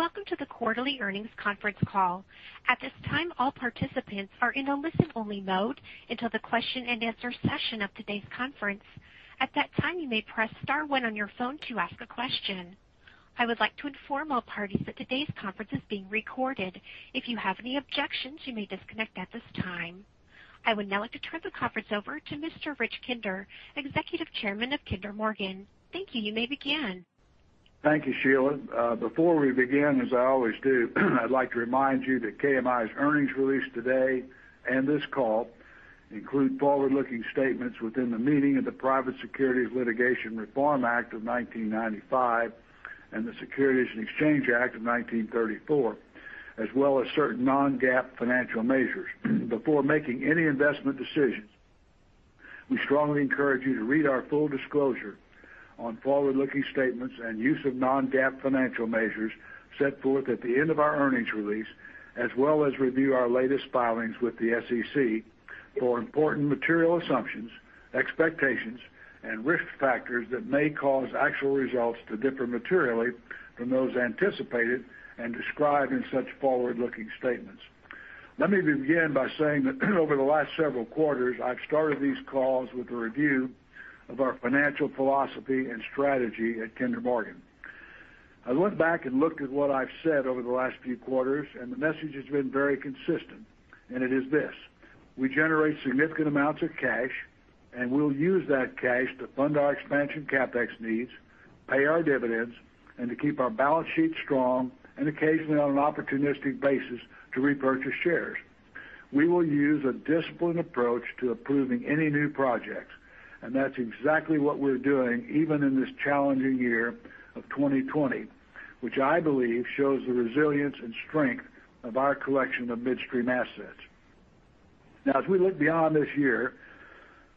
Welcome to the quarterly earnings conference call. At this time, all participants are in a listen-only mode until the question and answer session of today's conference. At that time, you may press star one on your phone to ask a question. I would like to inform all parties that today's conference is being recorded. If you have any objections, you may disconnect at this time. I would now like to turn the conference over to Mr. Rich Kinder, Executive Chairman of Kinder Morgan. Thank you. You may begin. Thank you, Sheila. Before we begin, as I always do, I'd like to remind you that KMI's earnings release today and this call include forward-looking statements within the meaning of the Private Securities Litigation Reform Act of 1995 and the Securities and Exchange Act of 1934, as well as certain non-GAAP financial measures. Before making any investment decisions, we strongly encourage you to read our full disclosure on forward-looking statements and use of non-GAAP financial measures set forth at the end of our earnings release, as well as review our latest filings with the SEC for important material assumptions, expectations, and risk factors that may cause actual results to differ materially from those anticipated and described in such forward-looking statements. Let me begin by saying that over the last several quarters, I've started these calls with a review of our financial philosophy and strategy at Kinder Morgan. I went back and looked at what I've said over the last few quarters, and the message has been very consistent, and it is this: We generate significant amounts of cash, and we'll use that cash to fund our expansion CapEx needs, pay our dividends, and to keep our balance sheet strong, and occasionally on an opportunistic basis to repurchase shares. We will use a disciplined approach to approving any new projects, and that's exactly what we're doing, even in this challenging year of 2020, which I believe shows the resilience and strength of our collection of midstream assets. Now, as we look beyond this year,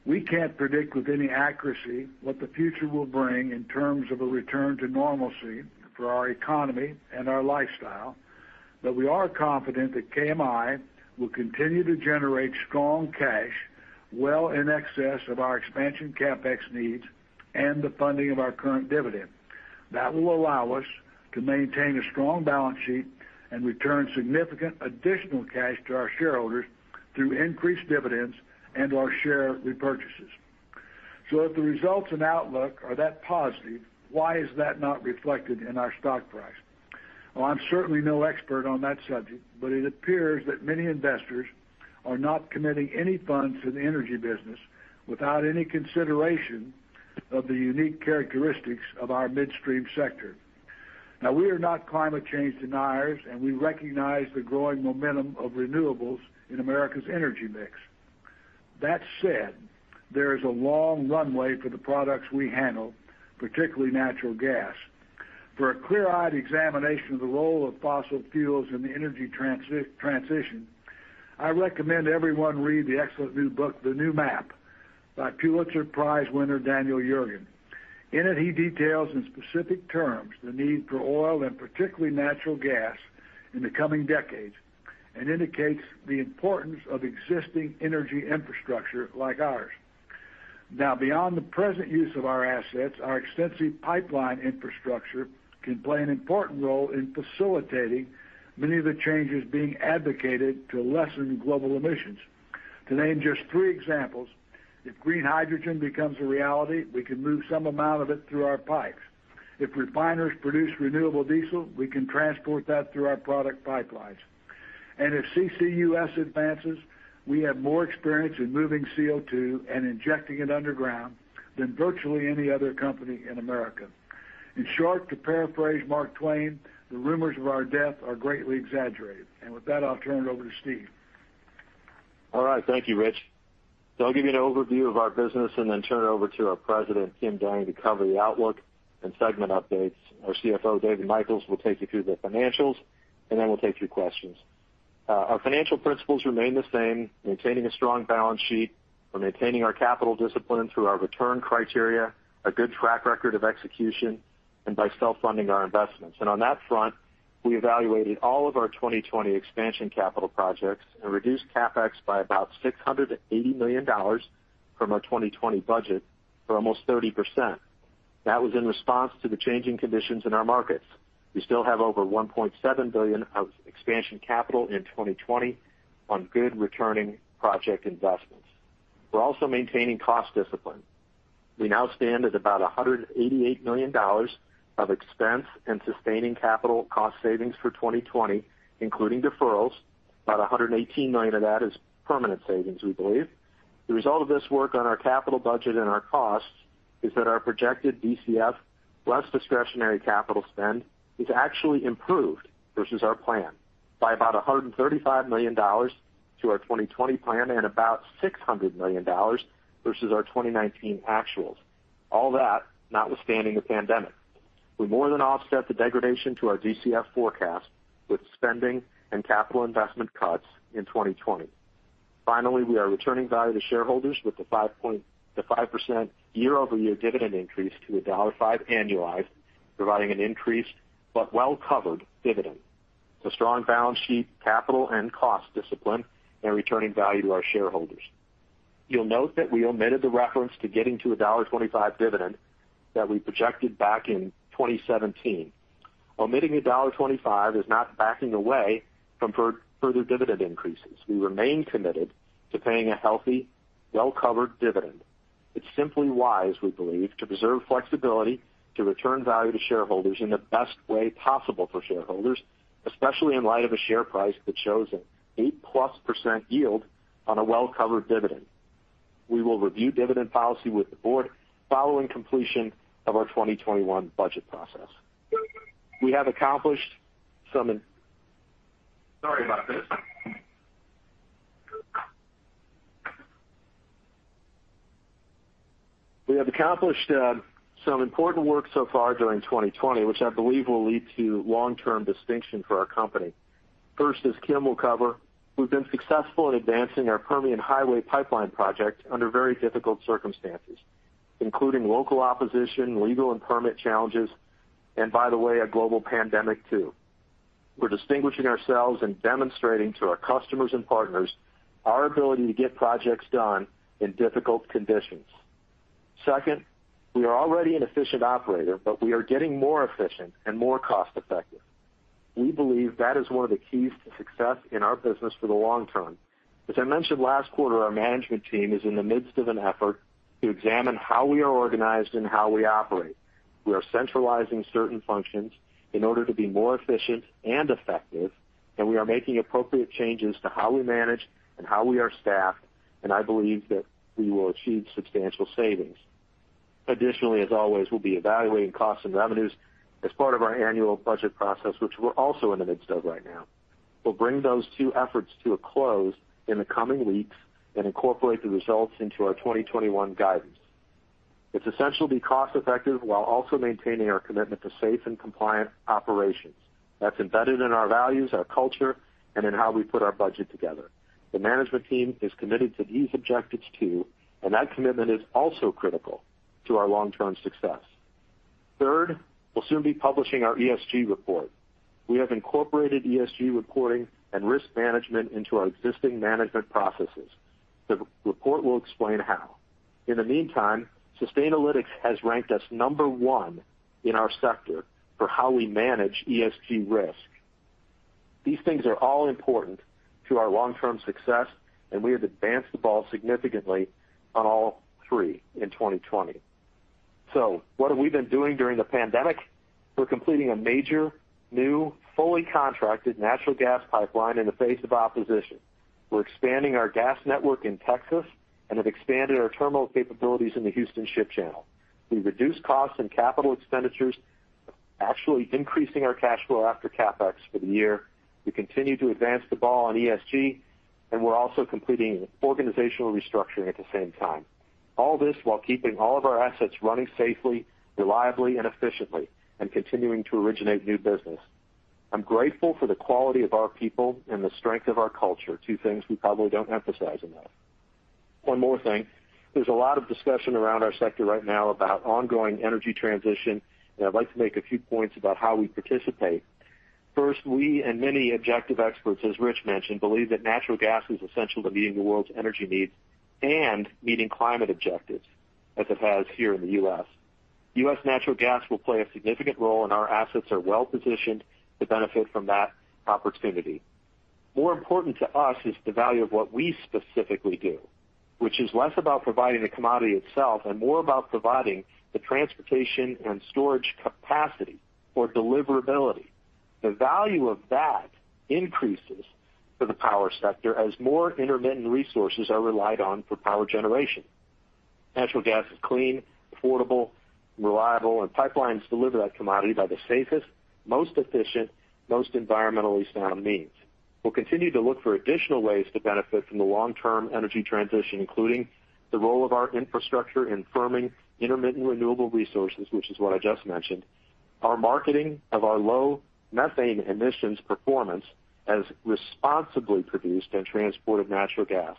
we can't predict with any accuracy what the future will bring in terms of a return to normalcy for our economy and our lifestyle. We are confident that KMI will continue to generate strong cash well in excess of our expansion CapEx needs and the funding of our current dividend. That will allow us to maintain a strong balance sheet and return significant additional cash to our shareholders through increased dividends and/or share repurchases. If the results and outlook are that positive, why is that not reflected in our stock price? I'm certainly no expert on that subject, but it appears that many investors are not committing any funds to the energy business without any consideration of the unique characteristics of our midstream sector. We are not climate change deniers, and we recognize the growing momentum of renewables in America's energy mix. That said, there is a long runway for the products we handle, particularly natural gas. For a clear-eyed examination of the role of fossil fuels in the energy transition, I recommend everyone read the excellent new book, "The New Map," by Pulitzer Prize winner Daniel Yergin. In it, he details in specific terms the need for oil and particularly natural gas in the coming decades and indicates the importance of existing energy infrastructure like ours. Now, beyond the present use of our assets, our extensive pipeline infrastructure can play an important role in facilitating many of the changes being advocated to lessen global emissions. To name just three examples, if green hydrogen becomes a reality, we can move some amount of it through our pipes. If refiners produce renewable diesel, we can transport that through our product pipelines. If CCUS advances, we have more experience in moving CO2 and injecting it underground than virtually any other company in America. In short, to paraphrase Mark Twain, the rumors of our death are greatly exaggerated. With that, I'll turn it over to Steve. Thank you, Rich. I'll give you an overview of our business and then turn it over to our President, Kim Dang, to cover the outlook and segment updates. Our CFO, David Michels, will take you through the financials, and then we'll take your questions. Our financial principles remain the same, maintaining a strong balance sheet. We're maintaining our capital discipline through our return criteria, a good track record of execution, and by self-funding our investments. On that front, we evaluated all of our 2020 expansion capital projects and reduced CapEx by about $680 million from our 2020 budget for almost 30%. That was in response to the changing conditions in our markets. We still have over $1.7 billion of expansion capital in 2020 on good returning project investments. We're also maintaining cost discipline. We now stand at about $188 million of expense and sustaining capital cost savings for 2020, including deferrals. About $118 million of that is permanent savings, we believe. The result of this work on our capital budget and our costs is that our projected DCF less discretionary capital spend is actually improved versus our plan by about $135 million to our 2020 plan and about $600 million versus our 2019 actuals. All that notwithstanding the pandemic. We more than offset the degradation to our DCF forecast with spending and capital investment cuts in 2020. Finally, we are returning value to shareholders with the 5% year-over-year dividend increase to a $1.05 annualized, providing an increased but well-covered dividend. The strong balance sheet capital and cost discipline and returning value to our shareholders. You'll note that we omitted the reference to getting to a $1.25 dividend that we projected back in 2017. Omitting the $1.25 is not backing away from further dividend increases. We remain committed to paying a healthy, well-covered dividend. It's simply wise, we believe, to preserve flexibility to return value to shareholders in the best way possible for shareholders, especially in light of a share price that shows an 8%+ yield on a well-covered dividend. We will review dividend policy with the board following completion of our 2021 budget process. We have accomplished some important work so far during 2020, which I believe will lead to long-term distinction for our company. First, as Kim will cover, we've been successful in advancing our Permian Highway Pipeline project under very difficult circumstances, including local opposition, legal and permit challenges, and by the way, a global pandemic, too. We're distinguishing ourselves and demonstrating to our customers and partners our ability to get projects done in difficult conditions. Second, we are already an efficient operator, but we are getting more efficient and more cost-effective. We believe that is one of the keys to success in our business for the long term. As I mentioned last quarter, our management team is in the midst of an effort to examine how we are organized and how we operate. We are centralizing certain functions in order to be more efficient and effective, and we are making appropriate changes to how we manage and how we are staffed, and I believe that we will achieve substantial savings. Additionally, as always, we'll be evaluating costs and revenues as part of our annual budget process, which we're also in the midst of right now. We'll bring those two efforts to a close in the coming weeks and incorporate the results into our 2021 guidance. It's essential to be cost-effective while also maintaining our commitment to safe and compliant operations. That's embedded in our values, our culture, and in how we put our budget together. The management team is committed to these objectives too, and that commitment is also critical to our long-term success. Third, we'll soon be publishing our ESG Report. We have incorporated ESG reporting and risk management into our existing management processes. The report will explain how. In the meantime, Sustainalytics has ranked us number one in our sector for how we manage ESG risk. These things are all important to our long-term success, and we have advanced the ball significantly on all three in 2020. What have we been doing during the pandemic? We're completing a major, new, fully contracted natural gas pipeline in the face of opposition. We're expanding our gas network in Texas and have expanded our terminal capabilities in the Houston Ship Channel. We've reduced costs and capital expenditures, actually increasing our cash flow after CapEx for the year. We continue to advance the ball on ESG, and we're also completing organizational restructuring at the same time. All this while keeping all of our assets running safely, reliably, and efficiently and continuing to originate new business. I'm grateful for the quality of our people and the strength of our culture, two things we probably don't emphasize enough. One more thing. There's a lot of discussion around our sector right now about ongoing energy transition, and I'd like to make a few points about how we participate. First, we and many objective experts, as Rich mentioned, believe that natural gas is essential to meeting the world's energy needs and meeting climate objectives as it has here in the U.S. U.S. natural gas will play a significant role, and our assets are well-positioned to benefit from that opportunity. More important to us is the value of what we specifically do, which is less about providing the commodity itself and more about providing the transportation and storage capacity for deliverability. The value of that increases for the power sector as more intermittent resources are relied on for power generation. Natural gas is clean, affordable, reliable, and pipelines deliver that commodity by the safest, most efficient, most environmentally sound means. We'll continue to look for additional ways to benefit from the long-term energy transition, including the role of our infrastructure in firming intermittent renewable resources, which is what I just mentioned. Our marketing of our low methane emissions performance as responsibly produced and transported natural gas.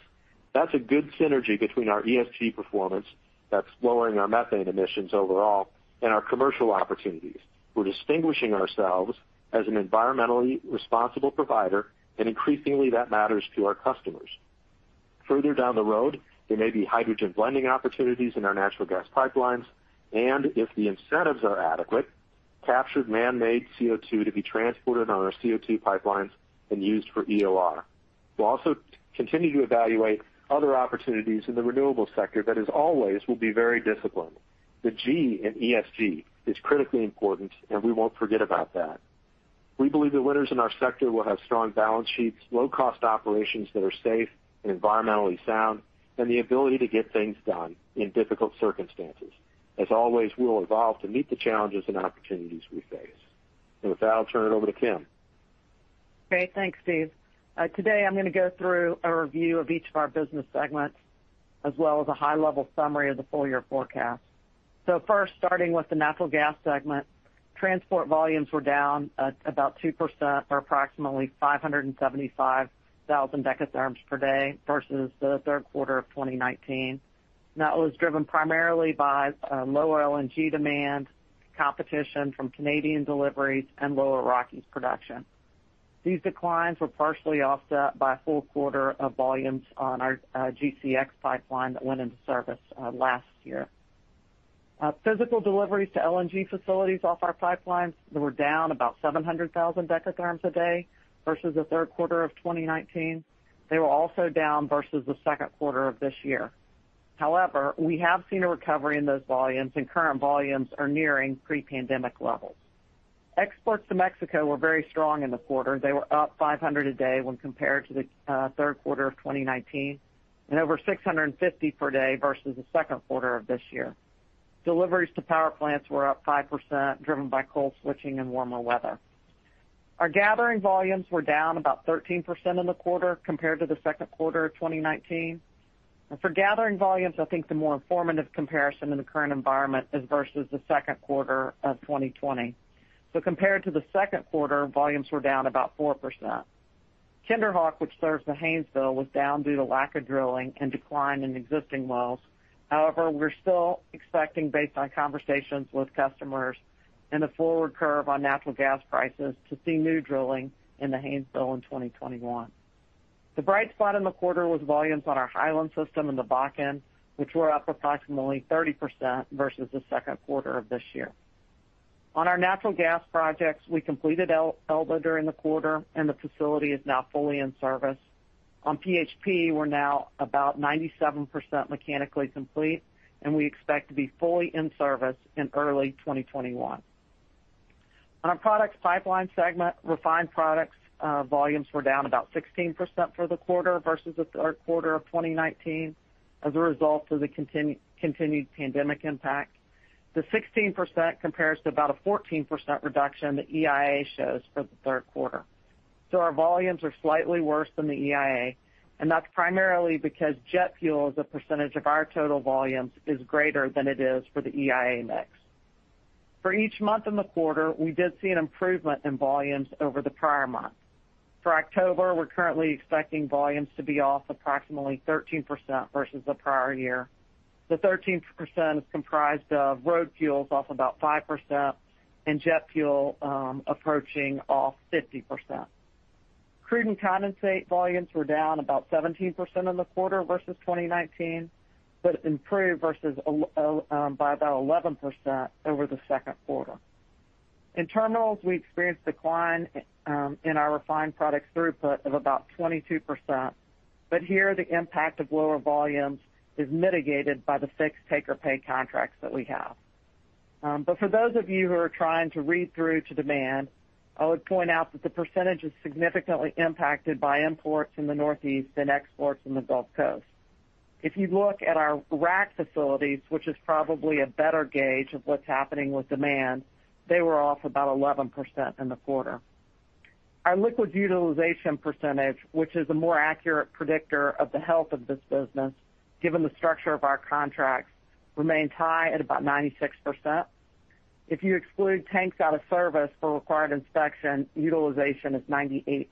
That's a good synergy between our ESG performance that's lowering our methane emissions overall and our commercial opportunities. We're distinguishing ourselves as an environmentally responsible provider, and increasingly that matters to our customers. Further down the road, there may be hydrogen blending opportunities in our natural gas pipelines, and if the incentives are adequate, captured man-made CO2 to be transported on our CO2 pipelines and used for EOR. We'll also continue to evaluate other opportunities in the renewable sector that as always will be very disciplined. The G in ESG is critically important, and we won't forget about that. We believe the winners in our sector will have strong balance sheets, low-cost operations that are safe and environmentally sound, and the ability to get things done in difficult circumstances. As always, we will evolve to meet the challenges and opportunities we face. With that, I'll turn it over to Kim. Great. Thanks, Steve. Today I'm going to go through a review of each of our business segments as well as a high-level summary of the full-year forecast. First, starting with the Natural Gas segment, transport volumes were down about 2% or approximately 575,000 Dth per day versus the third quarter of 2019. That was driven primarily by low LNG demand, competition from Canadian deliveries, and low Rockies production. These declines were partially offset by a full quarter of volumes on our GCX pipeline that went into service last year. Physical deliveries to LNG facilities off our pipelines were down about 700,000 Dth a day versus the third quarter of 2019. They were also down versus the second quarter of this year. We have seen a recovery in those volumes, and current volumes are nearing pre-pandemic levels. Exports to Mexico were very strong in the quarter. They were up 500 a day when compared to the third quarter of 2019, and over 650 per day versus the second quarter of this year. Deliveries to power plants were up 5%, driven by coal switching and warmer weather. Our gathering volumes were down about 13% in the quarter compared to the second quarter of 2019. For gathering volumes, I think the more informative comparison in the current environment is versus the second quarter of 2020. Compared to the second quarter, volumes were down about 4%. KinderHawk, which serves the Haynesville, was down due to lack of drilling and decline in existing wells. However, we're still expecting, based on conversations with customers in the forward curve on natural gas prices, to see new drilling in the Haynesville in 2021. The bright spot in the quarter was volumes on our Hiland system in the Bakken, which were up approximately 30% versus the second quarter of this year. On our natural gas projects, we completed Elba during the quarter. The facility is now fully in service. On PHP, we're now about 97% mechanically complete. We expect to be fully in service in early 2021. On our Products Pipelines Segment, refined products volumes were down about 16% for the quarter versus the third quarter of 2019 as a result of the continued pandemic impact. The 16% compares to about a 14% reduction the EIA shows for the third quarter. Our volumes are slightly worse than the EIA. That's primarily because jet fuel, as a percentage of our total volumes, is greater than it is for the EIA mix. For each month in the quarter, we did see an improvement in volumes over the prior month. For October, we're currently expecting volumes to be off approximately 13% versus the prior year. The 13% is comprised of road fuels off about 5% and jet fuel approaching off 50%. Crude and condensate volumes were down about 17% in the quarter versus 2019, but improved by about 11% over the second quarter. In terminals, we experienced decline in our refined products throughput of about 22%, but here the impact of lower volumes is mitigated by the fixed take-or-pay contracts that we have. For those of you who are trying to read through to demand, I would point out that the percentage is significantly impacted by imports in the Northeast than exports in the Gulf Coast. If you look at our rack facilities, which is probably a better gauge of what's happening with demand, they were off about 11% in the quarter. Our liquids utilization percentage, which is a more accurate predictor of the health of this business, given the structure of our contracts, remains high at about 96%. If you exclude tanks out of service for required inspection, utilization is 98%.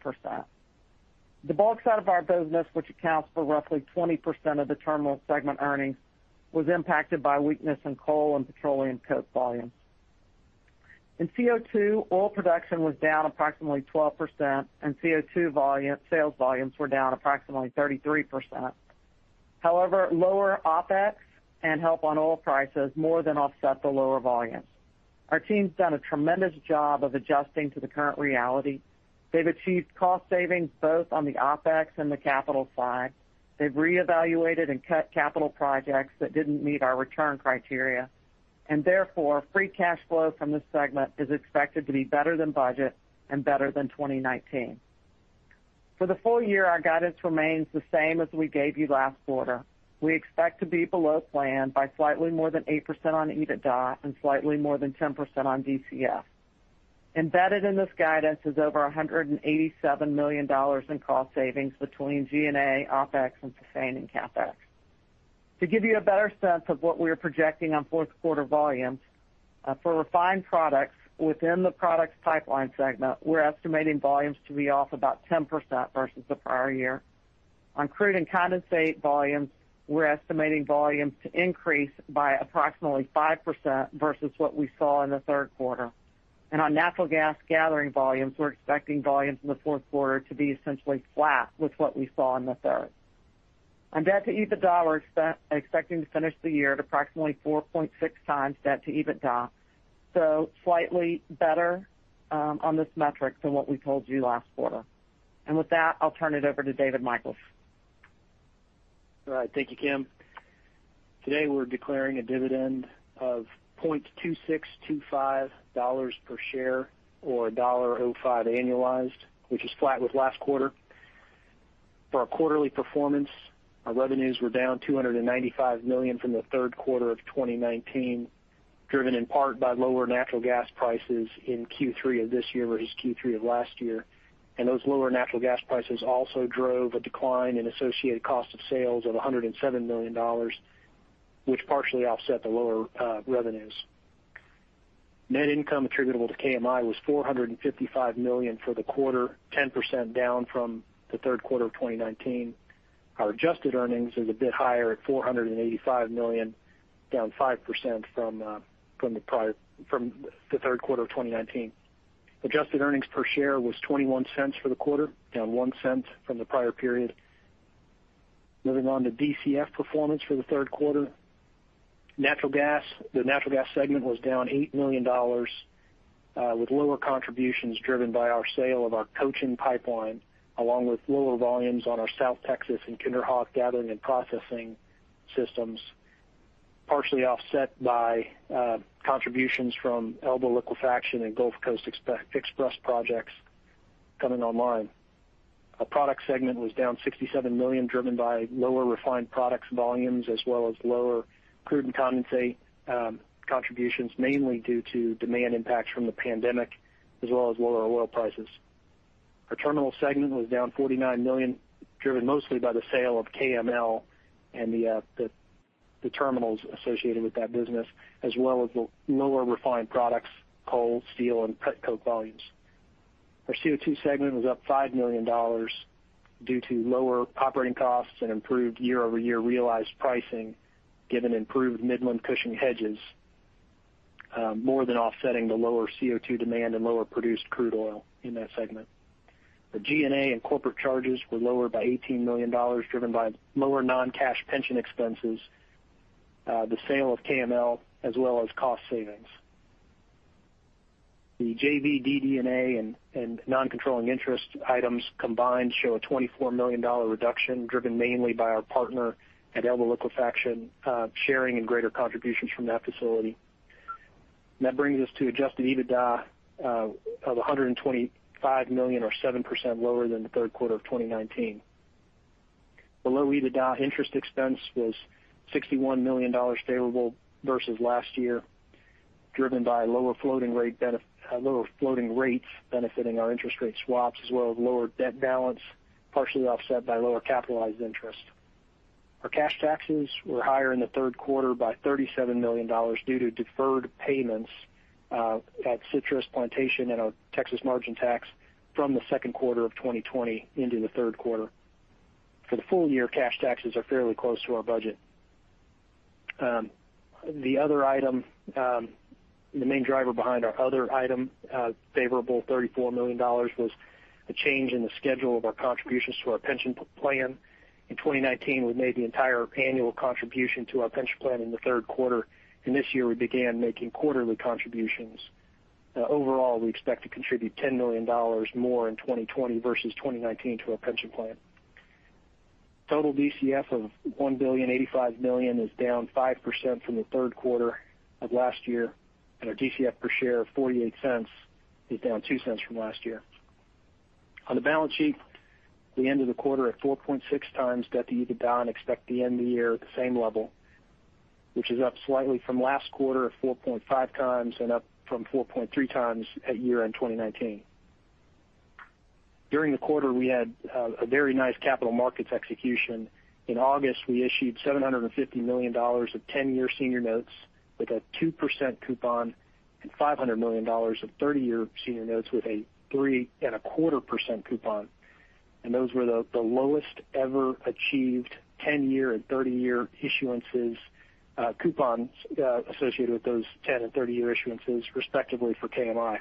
The bulk side of our business, which accounts for roughly 20% of the terminal segment earnings, was impacted by weakness in coal and petroleum coke volumes. In CO2, oil production was down approximately 12%, and CO2 sales volumes were down approximately 33%. However, lower OpEx and help on oil prices more than offset the lower volumes. Our team's done a tremendous job of adjusting to the current reality. They've achieved cost savings both on the OpEx and the capital side. Therefore, free cash flow from this segment is expected to be better than budget and better than 2019. For the full year, our guidance remains the same as we gave you last quarter. We expect to be below plan by slightly more than 8% on EBITDA and slightly more than 10% on DCF. Embedded in this guidance is over $187 million in cost savings between G&A, OpEx, and sustaining CapEx. To give you a better sense of what we are projecting on fourth quarter volumes, for refined products within the Products Pipelines segment, we're estimating volumes to be off about 10% versus the prior year. On crude and condensate volumes, we're estimating volumes to increase by approximately 5% versus what we saw in the third quarter. On natural gas gathering volumes, we're expecting volumes in the 4th quarter to be essentially flat with what we saw in the 3rd. On debt to EBITDA, we're expecting to finish the year at approximately 4.6x debt to EBITDA, so slightly better on this metric than what we told you last quarter. With that, I'll turn it over to David Michels. All right. Thank you, Kim. Today, we're declaring a dividend of $0.2625 per share or $1.05 annualized, which is flat with last quarter. For our quarterly performance, our revenues were down $295 million from the third quarter of 2019, driven in part by lower natural gas prices in Q3 of this year versus Q3 of last year. Those lower natural gas prices also drove a decline in associated cost of sales of $107 million, which partially offset the lower revenues. Net income attributable to KMI was $455 million for the quarter, 10% down from the third quarter of 2019. Our adjusted earnings is a bit higher at $485 million, down 5% from the third quarter of 2019. Adjusted earnings per share was $0.21 for the quarter, down $0.01 from the prior period. Moving on to DCF performance for the third quarter. The natural gas segment was down $8 million, with lower contributions driven by our sale of our Cochin Pipeline, along with lower volumes on our South Texas and KinderHawk gathering and processing systems, partially offset by contributions from Elba Liquefaction and Gulf Coast Express projects coming online. Our product segment was down $67 million, driven by lower refined products volumes as well as lower crude and condensate contributions, mainly due to demand impacts from the pandemic, as well as lower oil prices. Our terminal segment was down $49 million, driven mostly by the sale of KML and the terminals associated with that business, as well as the lower refined products, coal, steel, and petcoke volumes. Our CO2 segment was up $5 million due to lower operating costs and improved year-over-year realized pricing, given improved Midland Cushing hedges, more than offsetting the lower CO2 demand and lower produced crude oil in that segment. The G&A and corporate charges were lower by $18 million, driven by lower non-cash pension expenses, the sale of KML, as well as cost savings. The JV, DD&A, and non-controlling interest items combined show a $24 million reduction, driven mainly by our partner at Elba Liquefaction sharing in greater contributions from that facility. That brings us to adjusted EBITDA of $125 million, or 7% lower than the third quarter of 2019. Below EBITDA, interest expense was $61 million favorable versus last year, driven by lower floating rates benefiting our interest rate swaps, as well as lower debt balance, partially offset by lower capitalized interest. Our cash taxes were higher in the third quarter by $37 million due to deferred payments at Citrus Corp. And our Texas margin tax from the second quarter of 2020 into the third quarter. For the full year, cash taxes are fairly close to our budget. The main driver behind our other item, favorable $34 million, was a change in the schedule of our contributions to our pension plan. In 2019, we made the entire annual contribution to our pension plan in the third quarter. This year we began making quarterly contributions. Overall, we expect to contribute $10 million more in 2020 versus 2019 to our pension plan. Total DCF of $1.085 billion is down 5% from the third quarter of last year. Our DCF per share of $0.48 is down $0.02 from last year. On the balance sheet, the end of the quarter at 4.6x debt to EBITDA and expect to end the year at the same level, which is up slightly from last quarter of 4.5x and up from 4.3x at year-end 2019. During the quarter, we had a very nice capital markets execution. In August, we issued $750 million of 10-year senior notes with a 2% coupon and $500 million of 30-year senior notes with a 3.25% coupon, and those were the lowest ever achieved 10-year and 30-year coupons associated with those 10 and 30 year issuances, respectively, for KMI.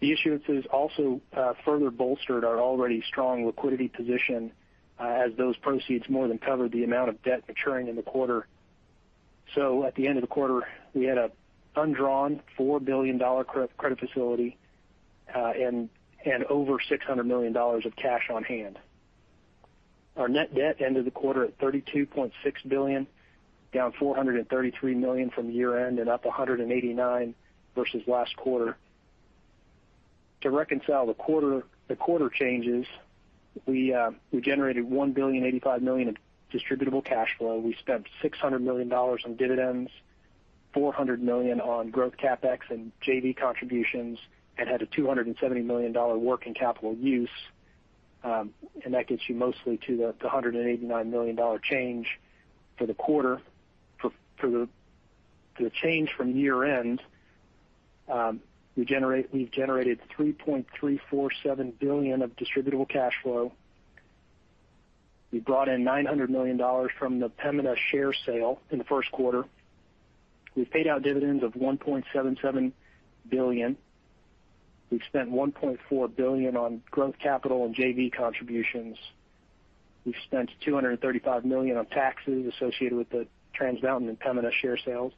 The issuances also further bolstered our already strong liquidity position as those proceeds more than covered the amount of debt maturing in the quarter. At the end of the quarter, we had an undrawn $4 billion credit facility and over $600 million of cash on hand. Our net debt ended the quarter at $32.6 billion, down $433 million from year-end and up $189 million versus last quarter. To reconcile the quarter changes, we generated $1.085 billion in distributable cash flow. We spent $600 million on dividends, $400 million on growth CapEx and JV contributions, and had a $270 million working capital use. That gets you mostly to the $189 million change for the quarter. For the change from year-end, we've generated $3.347 billion of distributable cash flow. We brought in $900 million from the Pembina share sale in the first quarter. We paid out dividends of $1.77 billion. We've spent $1.4 billion on growth capital and JV contributions. We've spent $235 million on taxes associated with the Trans Mountain and Pembina share sales.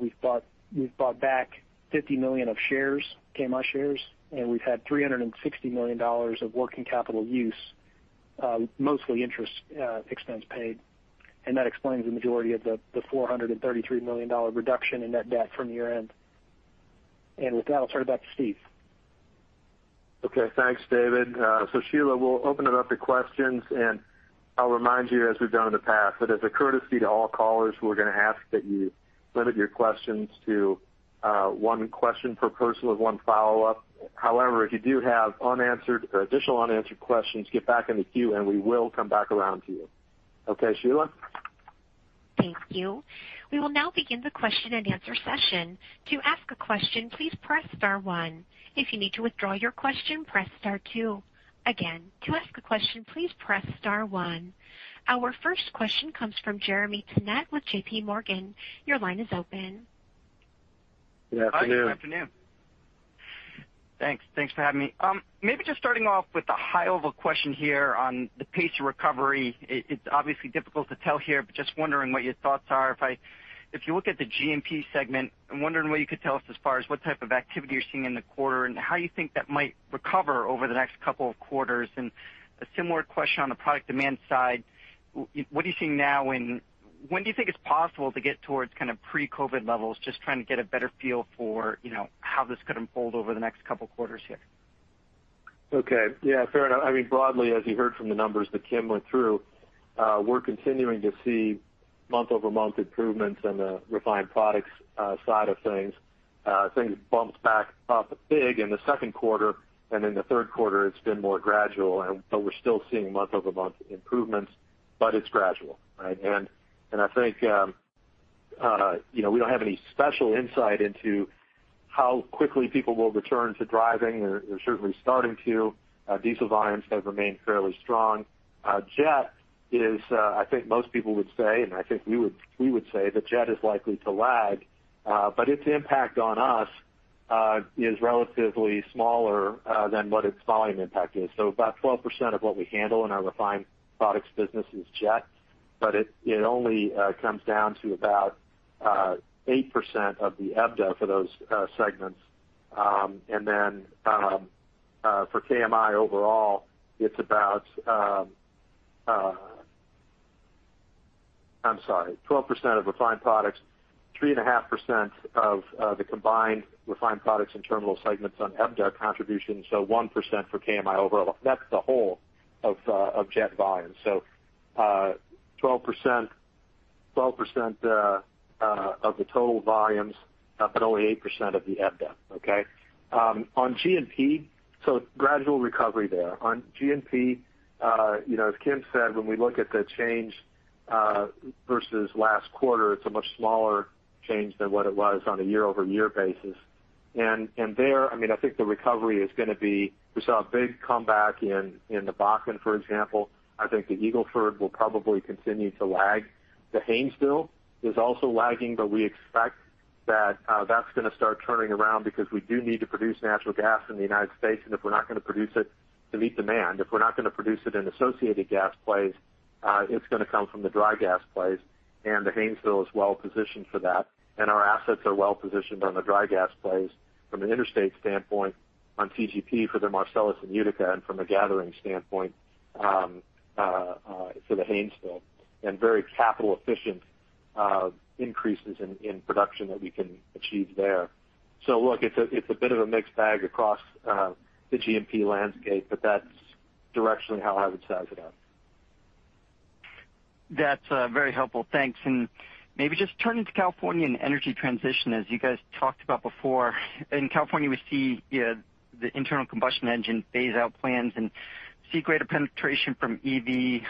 We've bought back $50 million of KMI shares. We've had $360 million of working capital use, mostly interest expense paid. That explains the majority of the $433 million reduction in net debt from year-end. With that, I'll turn it back to Steve. Okay. Thanks, David. Sheila, we'll open it up to questions, and I'll remind you as we've done in the past, that as a courtesy to all callers, we're going to ask that you limit your questions to one question per person with one follow-up. However, if you do have additional unanswered questions, get back in the queue and we will come back around to you. Okay, Sheila? Thank you. We will now begin the question and answer session. To ask a question, please press star one. If you need to withdraw your question, press star two. Again, to ask a question, please press star one. Our first question comes from Jeremy Tonet with JPMorgan. Your line is open. Good afternoon. Hi, good afternoon. Thanks for having me. Maybe just starting off with a high-level question here on the pace of recovery. It's obviously difficult to tell here, but just wondering what your thoughts are. If you look at the G&P segment, I'm wondering what you could tell us as far as what type of activity you're seeing in the quarter and how you think that might recover over the next couple of quarters, and a similar question on the product demand side. What are you seeing now, and when do you think it's possible to get towards pre-COVID levels? Just trying to get a better feel for how this could unfold over the next couple of quarters here. Okay. Yeah, fair enough. Broadly, as you heard from the numbers that Kim went through, we're continuing to see month-over-month improvements on the refined products side of things. Things bounced back up big in the second quarter. In the third quarter it's been more gradual. We're still seeing month-over-month improvements. It's gradual. Right? I think we don't have any special insight into how quickly people will return to driving. They're certainly starting to. Diesel volumes have remained fairly strong. Jet is, I think most people would say, and I think we would say, that jet is likely to lag. Its impact on us is relatively smaller than what its volume impact is. About 12% of what we handle in our refined products business is jet. It only comes down to about 8% of the EBITDA for those segments. For KMI overall, it's about I'm sorry, 12% of refined products, 3.5% of the combined refined products and terminal segments on EBITDA contributions, so 1% for KMI overall. That's the whole of jet volume. 12% of the total volumes, but only 8% of the EBITDA. Okay? On G&P, so gradual recovery there. On G&P, as Kim said, when we look at the change versus last quarter, it's a much smaller change than what it was on a year-over-year basis. There, I think we saw a big comeback in the Bakken, for example. I think the Eagle Ford will probably continue to lag. The Haynesville is also lagging, but we expect that that's going to start turning around because we do need to produce natural gas in the United States, and if we're not going to produce it to meet demand, if we're not going to produce it in associated gas plays, it's going to come from the dry gas plays, and the Haynesville is well positioned for that. Our assets are well positioned on the dry gas plays from an interstate standpoint on TGP for the Marcellus and Utica, and from a gathering standpoint for the Haynesville, and very capital-efficient increases in production that we can achieve there. Look, it's a bit of a mixed bag across the G&P landscape, but that's directionally how I would size it up. That's very helpful. Thanks. Maybe just turning to California and energy transition, as you guys talked about before. In California, we see the internal combustion engine phase-out plans and see greater penetration from EV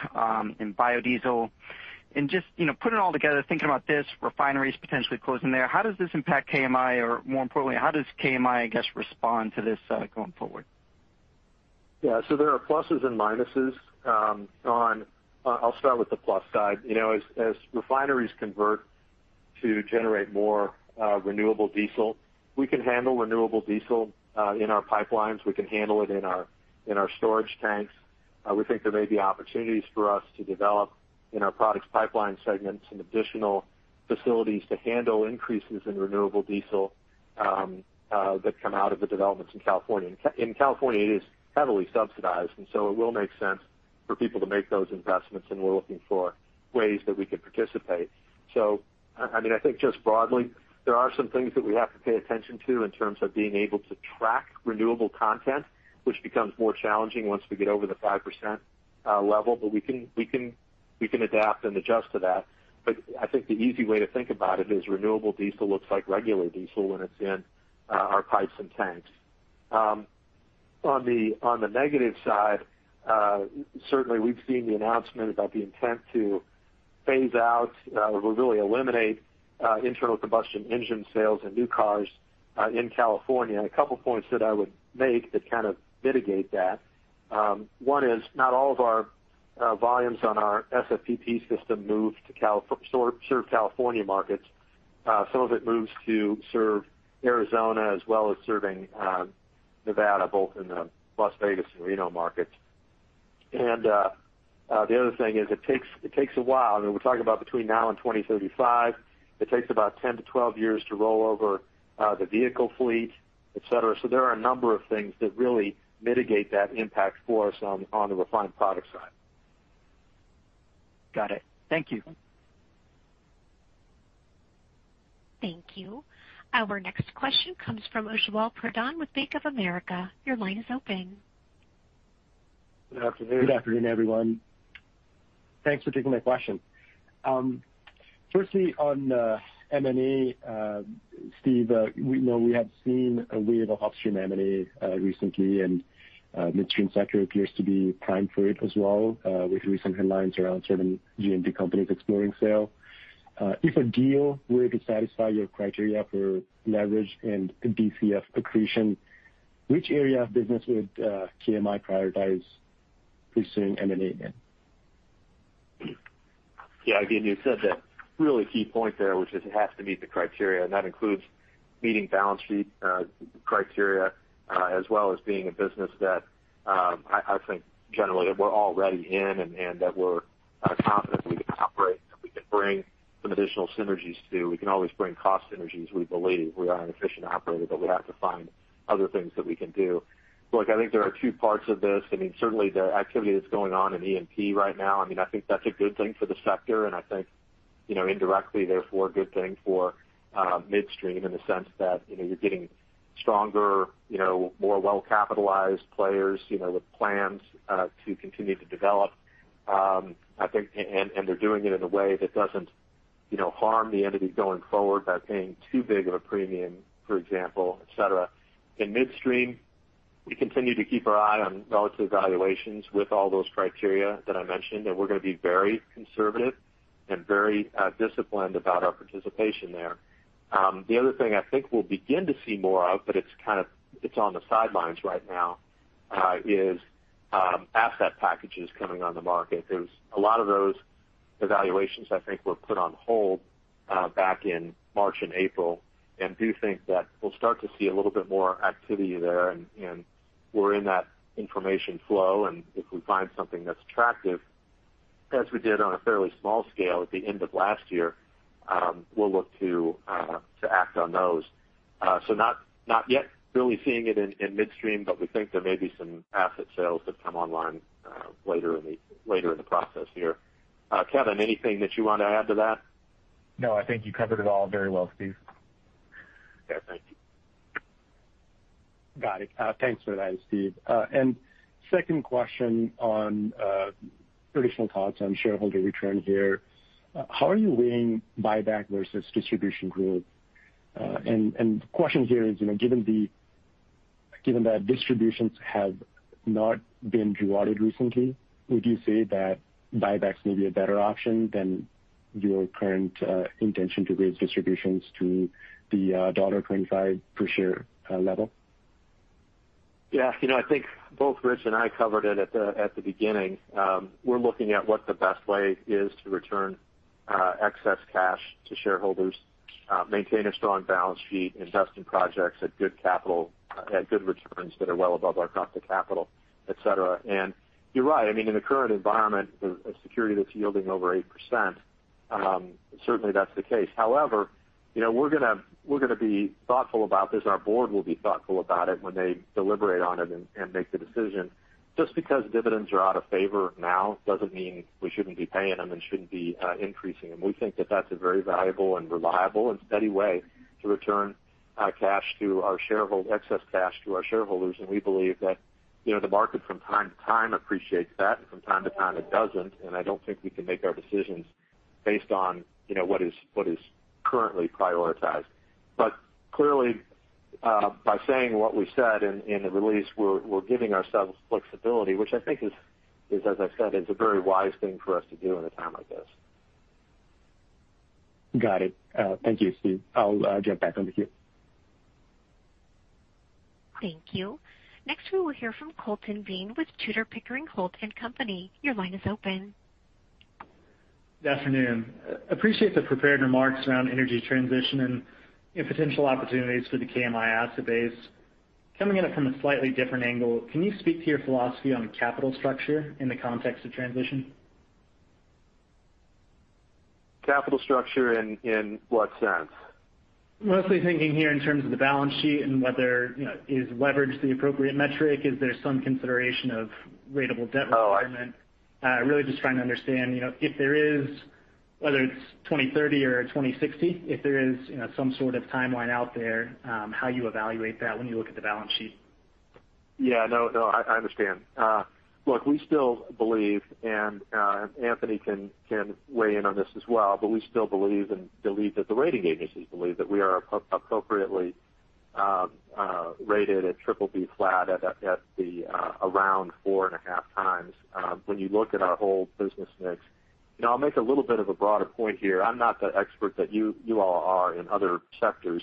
and biodiesel. Just putting it all together, thinking about this, refineries potentially closing there, how does this impact KMI? Or more importantly, how does KMI, I guess respond to this going forward? Yeah, there are pluses and minuses. I'll start with the plus side. As refineries convert to generate more renewable diesel, we can handle renewable diesel in our pipelines. We can handle it in our storage tanks. We think there may be opportunities for us to develop in our Products Pipelines segments and additional facilities to handle increases in renewable diesel that come out of the developments in California. In California, it is heavily subsidized, and so it will make sense for people to make those investments, and we're looking for ways that we could participate. I think just broadly, there are some things that we have to pay attention to in terms of being able to track renewable content, which becomes more challenging once we get over the 5% level. We can adapt and adjust to that. I think the easy way to think about it is renewable diesel looks like regular diesel when it's in our pipes and tanks. On the negative side, certainly we've seen the announcement about the intent to phase out or really eliminate internal combustion engine sales in new cars in California. A couple points that I would make that kind of mitigate that. One is not all of our volumes on our SFPP system move to serve California markets. Some of it moves to serve Arizona as well as serving Nevada, both in the Las Vegas and Reno markets. The other thing is it takes a while. We're talking about between now and 2035. It takes about 10-12 years to roll over the vehicle fleet, et cetera. There are a number of things that really mitigate that impact for us on the refined product side. Got it. Thank you. Thank you. Our next question comes from Ujjwal Pradhan with Bank of America. Your line is open. Good afternoon. Good afternoon, everyone. Thanks for taking my question. On M&A, Steve, we have seen a wave of upstream M&A recently, and midstream sector appears to be primed for it as well, with recent headlines around certain G&P companies exploring sale. If a deal were to satisfy your criteria for leverage and DCF accretion, which area of business would KMI prioritize pursuing M&A in? Again, you said that really key point there, which is it has to meet the criteria, and that includes meeting balance sheet criteria, as well as being a business that I think generally that we're already in and that we're confident we can operate and that we can bring some additional synergies to. We can always bring cost synergies, we believe. We are an efficient operator, but we have to find other things that we can do. I think there are two parts of this. Certainly the activity that's going on in E&P right now, I think that's a good thing for the sector, and I think indirectly, therefore, a good thing for midstream in the sense that you're getting stronger, more well-capitalized players with plans to continue to develop. They're doing it in a way that doesn't harm the entity going forward by paying too big of a premium, for example, et cetera. In midstream, we continue to keep our eye on relative valuations with all those criteria that I mentioned, and we're going to be very conservative and very disciplined about our participation there. The other thing I think we'll begin to see more of, but it's on the sidelines right now, is asset packages coming on the market. There's a lot of those evaluations, I think, were put on hold back in March and April, and do think that we'll start to see a little bit more activity there. We're in that information flow, and if we find something that's attractive, as we did on a fairly small scale at the end of last year, we'll look to act on those. Not yet really seeing it in midstream, but we think there may be some asset sales that come online later in the process here. Kevin, anything that you want to add to that? No, I think you covered it all very well, Steve. Yeah. Thank you. Got it. Thanks for that, Steve. Second question on traditional thoughts on shareholder return here. How are you weighing buyback versus distribution growth? Question here is, given that distributions have not been rewarded recently, would you say that buybacks may be a better option than your current intention to raise distributions to the $1.25 per share level? Yeah. I think both Rich and I covered it at the beginning. We're looking at what the best way is to return excess cash to shareholders, maintain a strong balance sheet, invest in projects at good returns that are well above our cost of capital, et cetera. You're right. In the current environment, a security that's yielding over 8%, certainly that's the case. However, we're going to be thoughtful about this. Our Board will be thoughtful about it when they deliberate on it and make the decision. Just because dividends are out of favor now doesn't mean we shouldn't be paying them and shouldn't be increasing them. We think that that's a very valuable and reliable and steady way to return excess cash to our shareholders, and we believe that the market from time to time appreciates that, and from time to time it doesn't, and I don't think we can make our decisions based on what is currently prioritized. Clearly, by saying what we said in the release, we're giving ourselves flexibility, which I think is, as I said, is a very wise thing for us to do in a time like this. Got it. Thank you, Steve. I'll jump back on the queue. Thank you. Next, we will hear from Colton Bean with Tudor, Pickering, Holt & Co. Your line is open. Good afternoon. Appreciate the prepared remarks around energy transition and potential opportunities for the KMI asset base. Coming at it from a slightly different angle, can you speak to your philosophy on capital structure in the context of transition? Capital structure in what sense? Mostly thinking here in terms of the balance sheet and whether is leverage the appropriate metric. Is there some consideration of ratable debt requirement? Oh, I- Really just trying to understand, whether it's 2030 or 2060, if there is some sort of timeline out there, how you evaluate that when you look at the balance sheet. Yeah. No, I understand. Look, we still believe, Anthony can weigh in on this as well. We still believe that the rating agencies believe that we are appropriately rated at BBB flat at the around four and a half times. When you look at our whole business mix. I'll make a little bit of a broader point here. I'm not the expert that you all are in other sectors.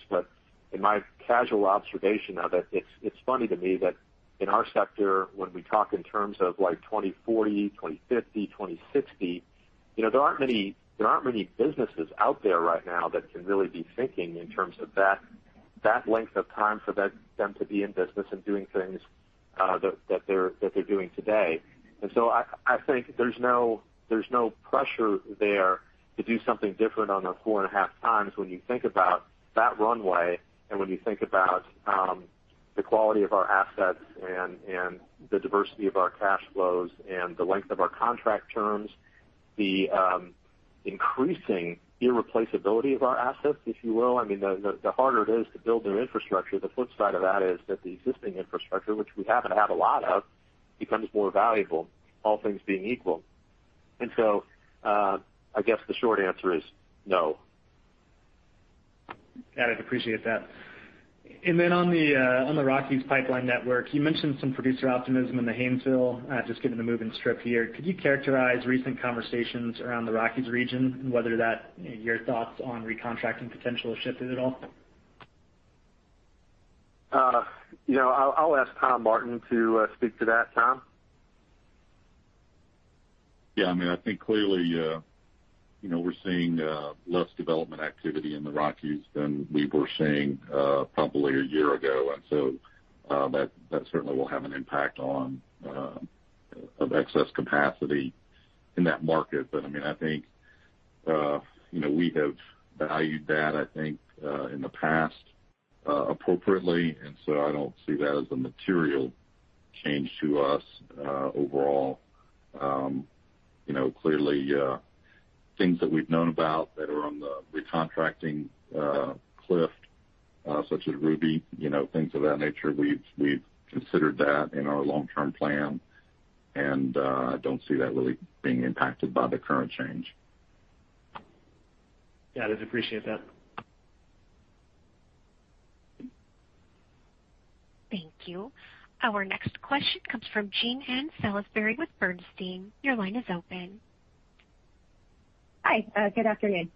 In my casual observation of it's funny to me that in our sector, when we talk in terms of 2040, 2050, 2060, there aren't many businesses out there right now that can really be thinking in terms of that length of time for them to be in business and doing things that they're doing today. I think there's no pressure there to do something different on the four and a half times when you think about that runway and when you think about the quality of our assets and the diversity of our cash flows and the length of our contract terms, the increasing irreplaceability of our assets, if you will. The harder it is to build new infrastructure, the flip side of that is that the existing infrastructure, which we happen to have a lot of becomes more valuable, all things being equal. I guess the short answer is no. Got it. Appreciate that. On the Rockies pipeline network, you mentioned some producer optimism in the Haynesville, just getting the move in the strip here. Could you characterize recent conversations around the Rockies region and whether your thoughts on recontracting potential have shifted at all? I'll ask Tom Martin to speak to that. Tom? Yeah. I think clearly we're seeing less development activity in the Rockies than we were seeing probably a year ago. That certainly will have an impact of excess capacity in that market. I think we have valued that in the past appropriately. I don't see that as a material change to us overall. Clearly, things that we've known about that are on the recontracting cliff such as Ruby, things of that nature, we've considered that in our long-term plan, and I don't see that really being impacted by the current change. Yeah. I just appreciate that. Thank you. Our next question comes from Jean Ann Salisbury with Bernstein. Your line is open. Hi. Good afternoon.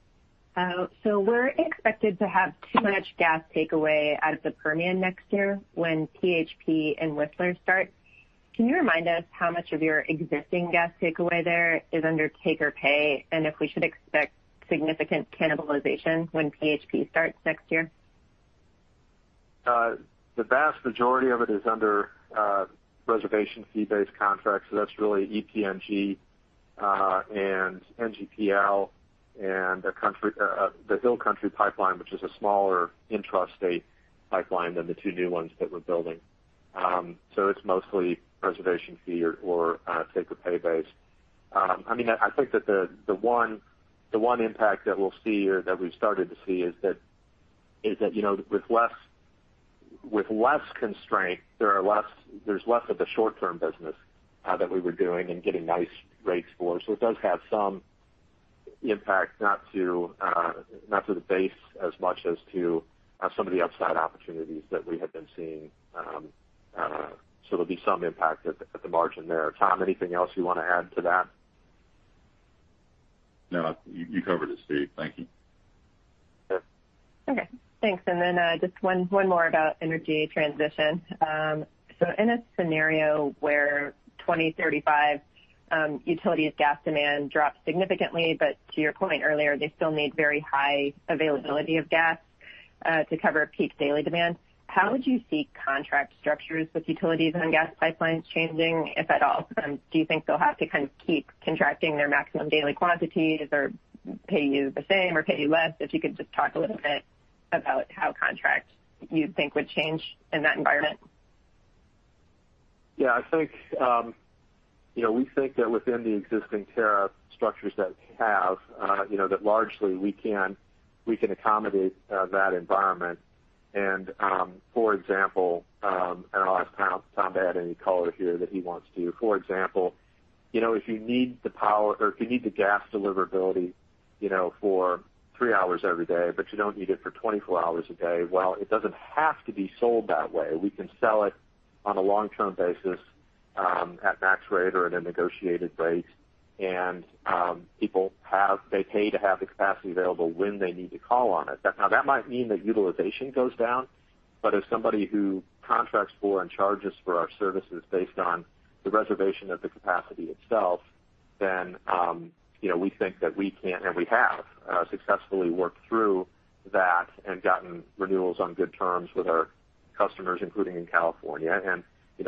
We're expected to have too much gas takeaway out of the Permian next year when PHP and Whistler start. Can you remind us how much of your existing gas takeaway there is under take-or-pay? If we should expect significant cannibalization when PHP starts next year? The vast majority of it is under reservation fee-based contracts. That's really EPNG and NGPL and the Hill Country pipeline, which is a smaller intrastate pipeline than the two new ones that we're building. It's mostly reservation fee or take-or-pay base. I think that the one impact that we'll see or that we've started to see is that with less constraint, there's less of the short-term business that we were doing and getting nice rates for. It does have some impact, not to the base as much as to some of the upside opportunities that we had been seeing. There'll be some impact at the margin there. Tom, anything else you want to add to that? No, you covered it, Steve. Thank you. Okay, thanks. Just one more about energy transition. In a scenario where 2035 utilities gas demand drops significantly, but to your point earlier, they still need very high availability of gas to cover peak daily demand. How would you see contract structures with utilities on gas pipelines changing, if at all? Do you think they'll have to kind of keep contracting their maximum daily quantities or pay you the same or pay you less? If you could just talk a little bit about how contracts you think would change in that environment. Yeah, we think that within the existing tariff structures that we have that largely we can accommodate that environment. I'll ask Tom to add any color here that he wants to. For example, if you need the gas deliverability for three hours every day, but you don't need it for 24 hours a day, it doesn't have to be sold that way. We can sell it on a long-term basis at max rate or at a negotiated rate. People pay to have the capacity available when they need to call on it. That might mean that utilization goes down, but as somebody who contracts for and charges for our services based on the reservation of the capacity itself, we think that we can, and we have successfully worked through that and gotten renewals on good terms with our customers, including in California.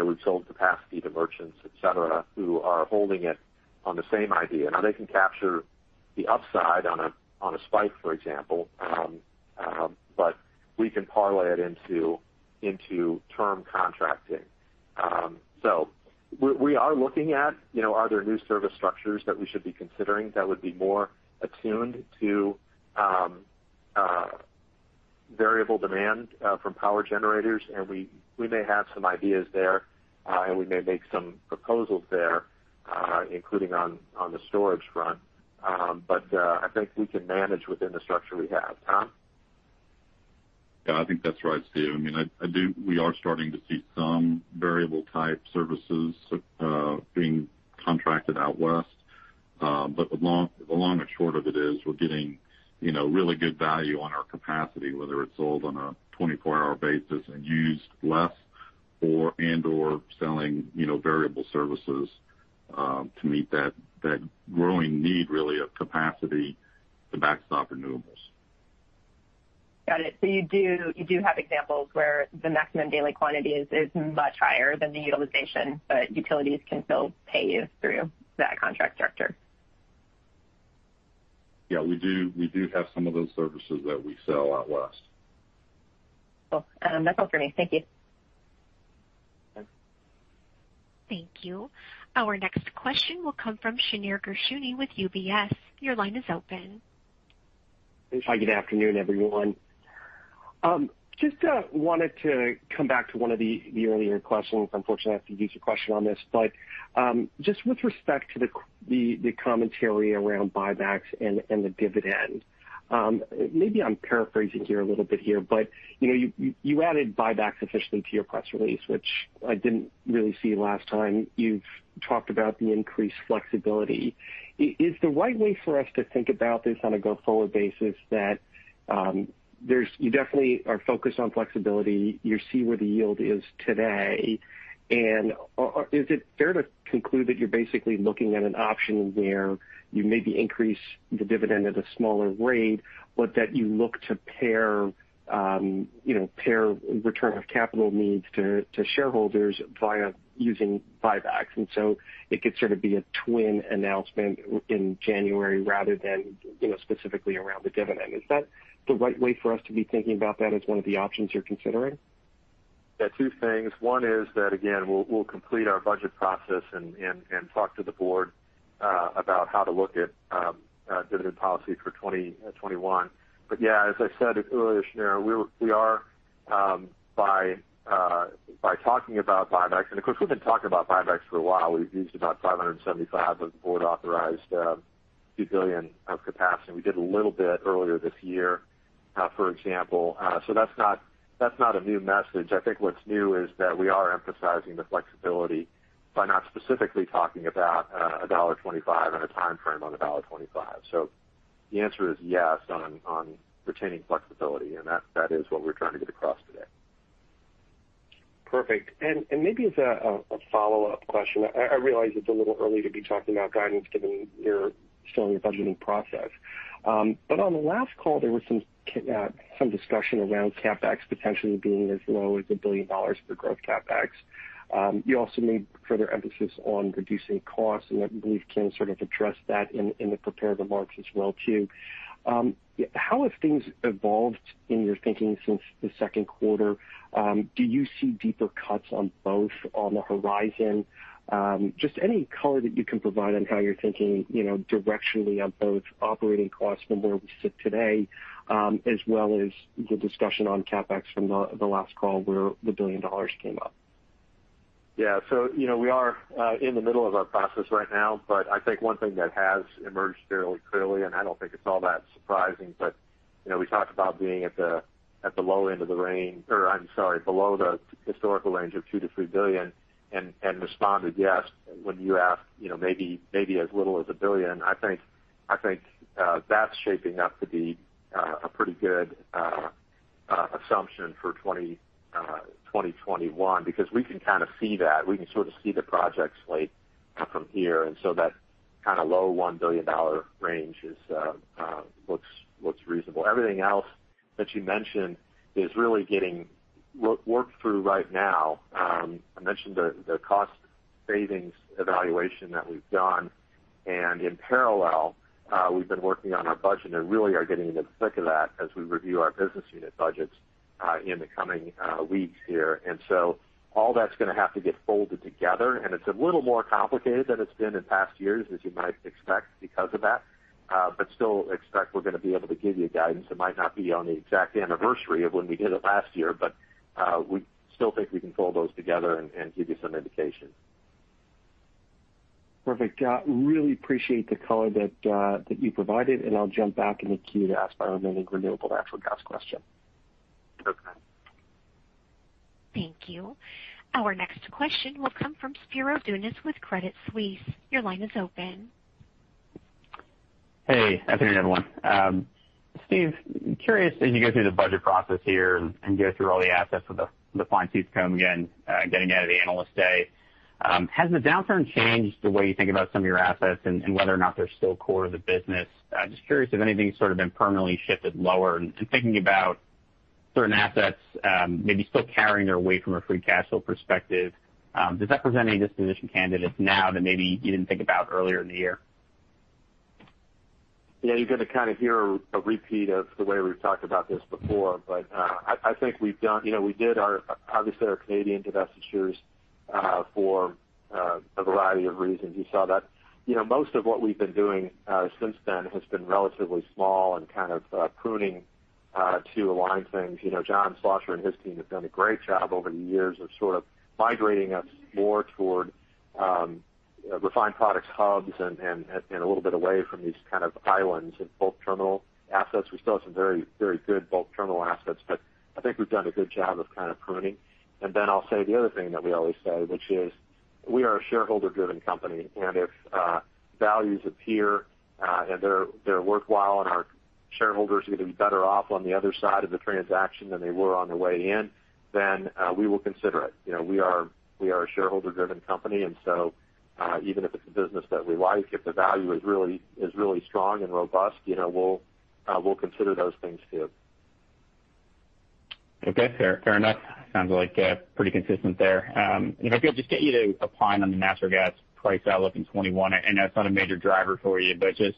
We've sold capacity to merchants, et cetera, who are holding it on the same idea. They can capture the upside on a spike, for example, but we can parlay it into term contracting. We are looking at are there new service structures that we should be considering that would be more attuned to variable demand from power generators, and we may have some ideas there, and we may make some proposals there, including on the storage front. I think we can manage within the structure we have. Tom? Yeah, I think that's right, Steve. We are starting to see some variable type services being contracted out west. The long and short of it is we're getting really good value on our capacity, whether it's sold on a 24-hour basis and used less and/or selling variable services to meet that growing need, really, of capacity to backstop renewables. Got it. You do have examples where the maximum daily quantity is much higher than the utilization, but utilities can still pay you through that contract structure. Yeah, we do have some of those services that we sell out west. Cool. That's all for me. Thank you. Okay. Thank you. Our next question will come from Shneur Gershuni with UBS. Your line is open. Hi, good afternoon, everyone. Just wanted to come back to one of the earlier questions. Unfortunately, I have to use your question on this, but just with respect to the commentary around buybacks and the dividend. Maybe I'm paraphrasing a little bit, but you added buybacks officially to your press release, which I didn't really see last time. You've talked about the increased flexibility. Is the right way for us to think about this on a go-forward basis that you definitely are focused on flexibility, you see where the yield is today, and is it fair to conclude that you're basically looking at an option where you maybe increase the dividend at a smaller rate, but that you look to pair return of capital needs to shareholders via using buybacks? It could sort of be a twin announcement in January rather than specifically around the dividend. Is that the right way for us to be thinking about that as one of the options you're considering? Yeah, two things. One is that, again, we will complete our budget process and talk to the Board about how to look at dividend policy for 2021. Yeah, as I said earlier, Shneur, we are by talking about buybacks, and of course, we have been talking about buybacks for a while. We have used about 575 of the Board-authorized $2 billion of capacity, and we did a little bit earlier this year, for example. That is not a new message. I think what is new is that we are emphasizing the flexibility by not specifically talking about $1.25 and a timeframe on $1.25. The answer is yes on retaining flexibility, and that is what we are trying to get across today. Perfect. Maybe as a follow-up question, I realize it's a little early to be talking about guidance given you're still in your budgeting process. On the last call, there was some discussion around CapEx potentially being as low as $1 billion for growth CapEx. You also made further emphasis on reducing costs. I believe Kim sort of addressed that in the prepared remarks as well too. How have things evolved in your thinking since the second quarter? Do you see deeper cuts on the horizon? Just any color that you can provide on how you're thinking directionally on both operating costs from where we sit today, as well as the discussion on CapEx from the last call where the $1 billion came up. Yeah. We are in the middle of our process right now, but I think one thing that has emerged fairly clearly, and I don't think it's all that surprising, but we talked about being at the low end of the range, or I'm sorry, below the historical range of $2 billion-$3 billion and responded, yes, when you asked maybe as little as $1 billion. I think that's shaping up to be a pretty good assumption for 2021 because we can kind of see that. We can sort of see the projects slate from here, and that kind of low $1 billion range looks reasonable. Everything else that you mentioned is really getting worked through right now. I mentioned the cost savings evaluation that we've done, and in parallel, we've been working on our budget and really are getting into the thick of that as we review our business unit budgets in the coming weeks here. All that's going to have to get folded together, and it's a little more complicated than it's been in past years, as you might expect because of that. Still expect we're going to be able to give you guidance. It might not be on the exact anniversary of when we did it last year, but we still think we can pull those together and give you some indication. Perfect. Really appreciate the color that you provided. I'll jump back in the queue to ask my remaining renewable natural gas question. Okay. Thank you. Our next question will come from Spiro Dounis with Credit Suisse. Your line is open. Hey, afternoon, everyone. Steve, curious as you go through the budget process here and go through all the assets with a fine-tooth comb again, getting out of the Analyst Day. Has the downturn changed the way you think about some of your assets and whether or not they're still core to the business? Just curious if anything's sort of been permanently shifted lower and thinking about certain assets maybe still carrying their weight from a free cash flow perspective. Does that present any disposition candidates now that maybe you didn't think about earlier in the year? Yeah, you're going to kind of hear a repeat of the way we've talked about this before. I think we did obviously our Canadian divestitures for a variety of reasons. You saw that. Most of what we've been doing since then has been relatively small and kind of pruning to align things. John Schlosser and his team have done a great job over the years of sort of migrating us more toward refined products hubs and a little bit away from these kind of islands in bulk terminal assets. We still have some very good bulk terminal assets. I think we've done a good job of kind of pruning. I'll say the other thing that we always say, which is we are a shareholder-driven company, and if values appear and they're worthwhile and our shareholders are going to be better off on the other side of the transaction than they were on their way in, then we will consider it. We are a shareholder-driven company, and so even if it's a business that we like, if the value is really strong and robust we'll consider those things too. Okay. Fair enough. Sounds like pretty consistent there. If I could just get you to opine on the natural gas price outlook in 2021. I know it's not a major driver for you, but just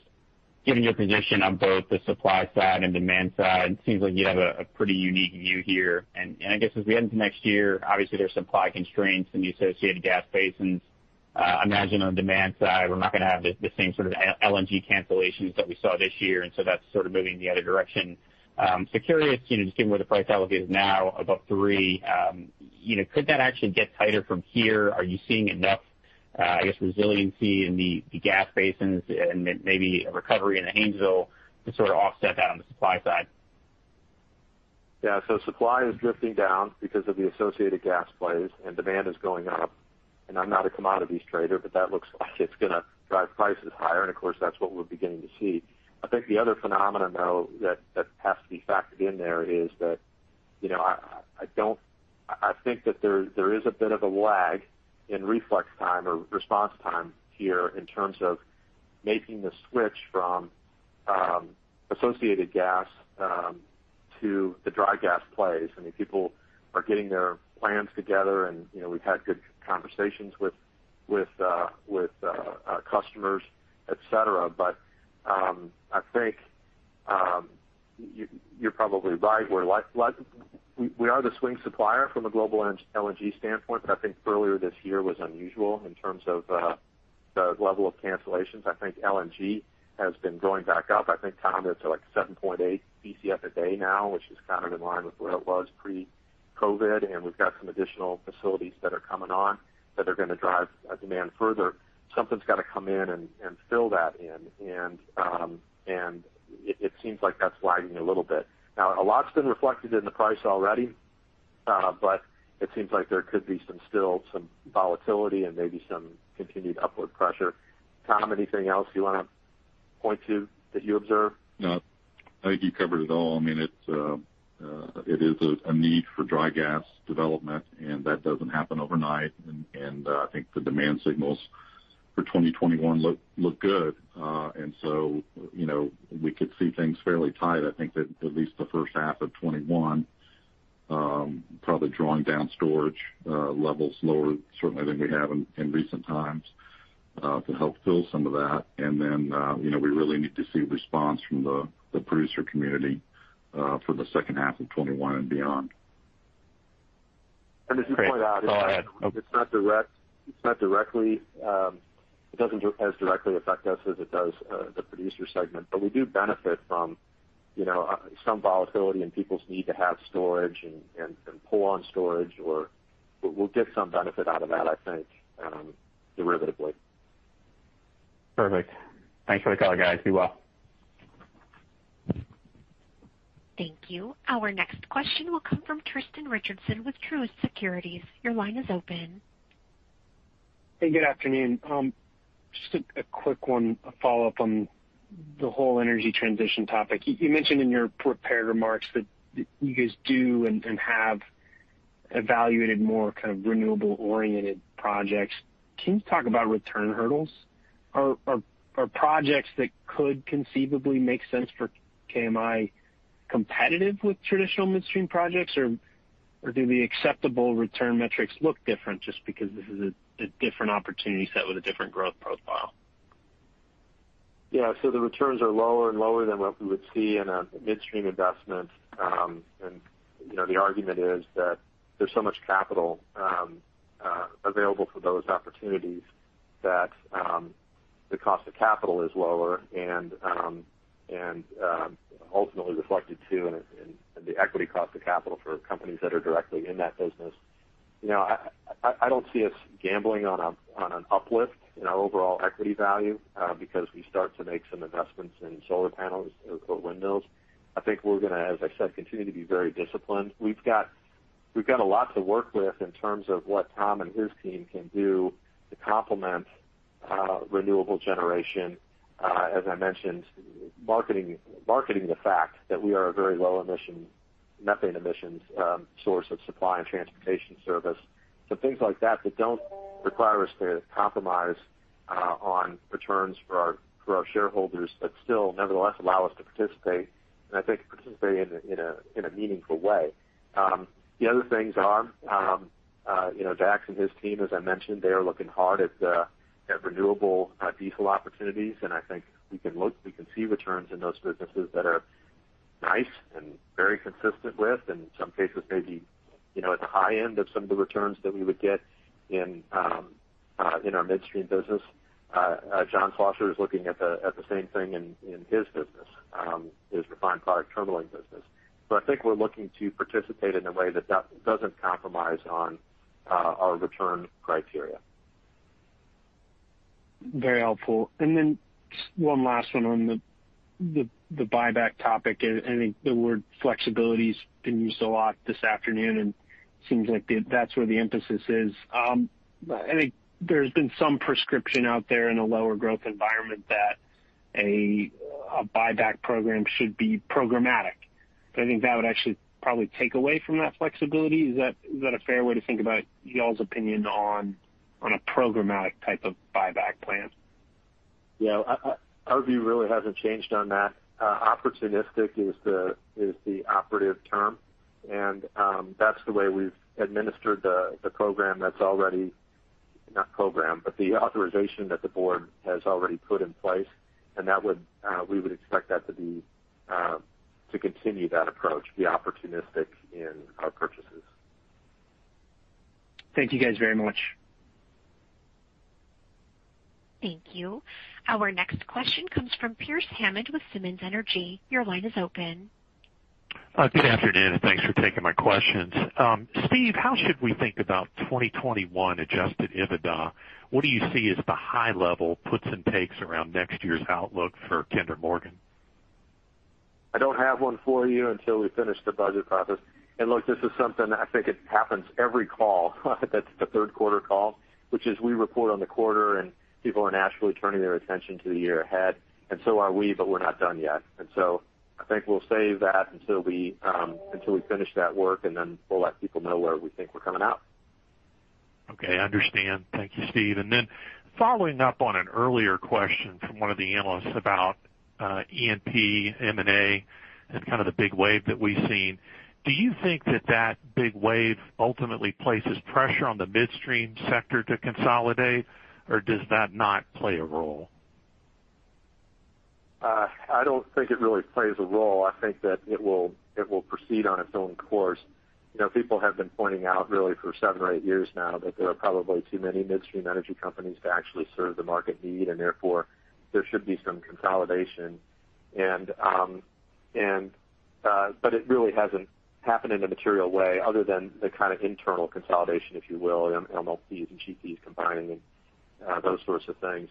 given your position on both the supply side and demand side, seems like you have a pretty unique view here. I guess as we head into next year, obviously there's supply constraints in the associated gas basins. I imagine on demand side, we're not going to have the same sort of LNG cancellations that we saw this year, that's sort of moving the other direction. Curious, just given where the price level is now above $3, could that actually get tighter from here? Are you seeing enough, I guess, resiliency in the gas basins and maybe a recovery in the Haynesville to sort of offset that on the supply side? Yeah. Supply is drifting down because of the associated gas plays and demand is going up. I'm not a commodities trader, but that looks like it's going to drive prices higher, and of course, that's what we're beginning to see. I think the other phenomenon, though, that has to be factored in there is that I think that there is a bit of a lag in reflex time or response time here in terms of making the switch from associated gas to the dry gas plays. I mean, people are getting their plans together, and we've had good conversations with our customers, et cetera. I think you're probably right. We are the swing supplier from a global LNG standpoint, but I think earlier this year was unusual in terms of the level of cancellations. I think LNG has been going back up. I think Tom, they're to like 7.8 Bcf a day now, which is kind of in line with where it was pre-COVID, and we've got some additional facilities that are coming on that are going to drive demand further. Something's got to come in and fill that in, and it seems like that's lagging a little bit. A lot's been reflected in the price already. It seems like there could be still some volatility and maybe some continued upward pressure. Tom, anything else you want to point to that you observe? No. I think you covered it all. I mean, it is a need for dry gas development. That doesn't happen overnight. I think the demand signals for 2021 look good. We could see things fairly tight, I think at least the first half of 2021. Probably drawing down storage levels lower certainly than we have in recent times to help fill some of that. We really need to see response from the producer community for the second half of 2021 and beyond. And just to point out- Great. Go ahead. It doesn't as directly affect us as it does the producer segment. We do benefit from some volatility and people's need to have storage and pull on storage or we'll get some benefit out of that, I think, derivatively. Perfect. Thanks for the call, guys. Be well. Thank you. Our next question will come from Tristan Richardson with Truist Securities. Your line is open. Hey, good afternoon. Just a quick one, a follow-up on the whole energy transition topic. You mentioned in your prepared remarks that you guys do and have evaluated more kind of renewable-oriented projects. Can you talk about return hurdles? Are projects that could conceivably make sense for KMI competitive with traditional midstream projects, or do the acceptable return metrics look different just because this is a different opportunity set with a different growth profile? Yeah. The returns are lower and lower than what we would see in a midstream investment. The argument is that there's so much capital available for those opportunities that the cost of capital is lower, and ultimately reflected too in the equity cost of capital for companies that are directly in that business. I don't see us gambling on an uplift in our overall equity value because we start to make some investments in solar panels or windows. I think we're going to, as I said, continue to be very disciplined. We've got a lot to work with in terms of what Tom and his team can do to complement renewable generation. As I mentioned, marketing the fact that we are a very low emission, methane emissions source of supply and transportation service. Things like that don't require us to compromise on returns for our shareholders, but still nevertheless allow us to participate, and I think participate in a meaningful way. Other things are Dax and his team, as I mentioned, they are looking hard at renewable diesel opportunities, and I think we can see returns in those businesses that are nice and very consistent with, in some cases, maybe at the high end of some of the returns that we would get in our midstream business. John Schlosser is looking at the same thing in his business, his refined product terminaling business. I think we're looking to participate in a way that doesn't compromise on our return criteria. Very helpful. Just one last one on the buyback topic, and I think the word flexibility's been used a lot this afternoon, and seems like that's where the emphasis is. I think there's been some prescription out there in a lower growth environment that a buyback program should be programmatic. I think that would actually probably take away from that flexibility. Is that a fair way to think about y'all's opinion on a programmatic type of buyback plan? Yeah. Our view really hasn't changed on that. Opportunistic is the operative term, and that's the way we've administered the authorization that the Board has already put in place, and we would expect that to continue that approach, be opportunistic in our purchases. Thank you guys very much. Thank you. Our next question comes from Pearce Hammond with Simmons Energy. Your line is open. Good afternoon. Thanks for taking my questions. Steve, how should we think about 2021 adjusted EBITDA? What do you see as the high level puts and takes around next year's outlook for Kinder Morgan? I don't have one for you until we finish the budget process. Look, this is something I think it happens every call that's the third quarter call. Which is we report on the quarter, and people are naturally turning their attention to the year ahead, and so are we, but we're not done yet. I think we'll save that until we finish that work, and then we'll let people know where we think we're coming out. Okay, understand. Thank you, Steve. Following up on an earlier question from one of the analysts about E&P, M&A and kind of the big wave that we've seen, do you think that that big wave ultimately places pressure on the midstream sector to consolidate, or does that not play a role? I don't think it really plays a role. I think that it will proceed on its own course. People have been pointing out really for seven or eight years now that there are probably too many midstream energy companies to actually serve the market need, and therefore there should be some consolidation. It really hasn't happened in a material way other than the kind of internal consolidation, if you will, MLPs and GPs combining and those sorts of things.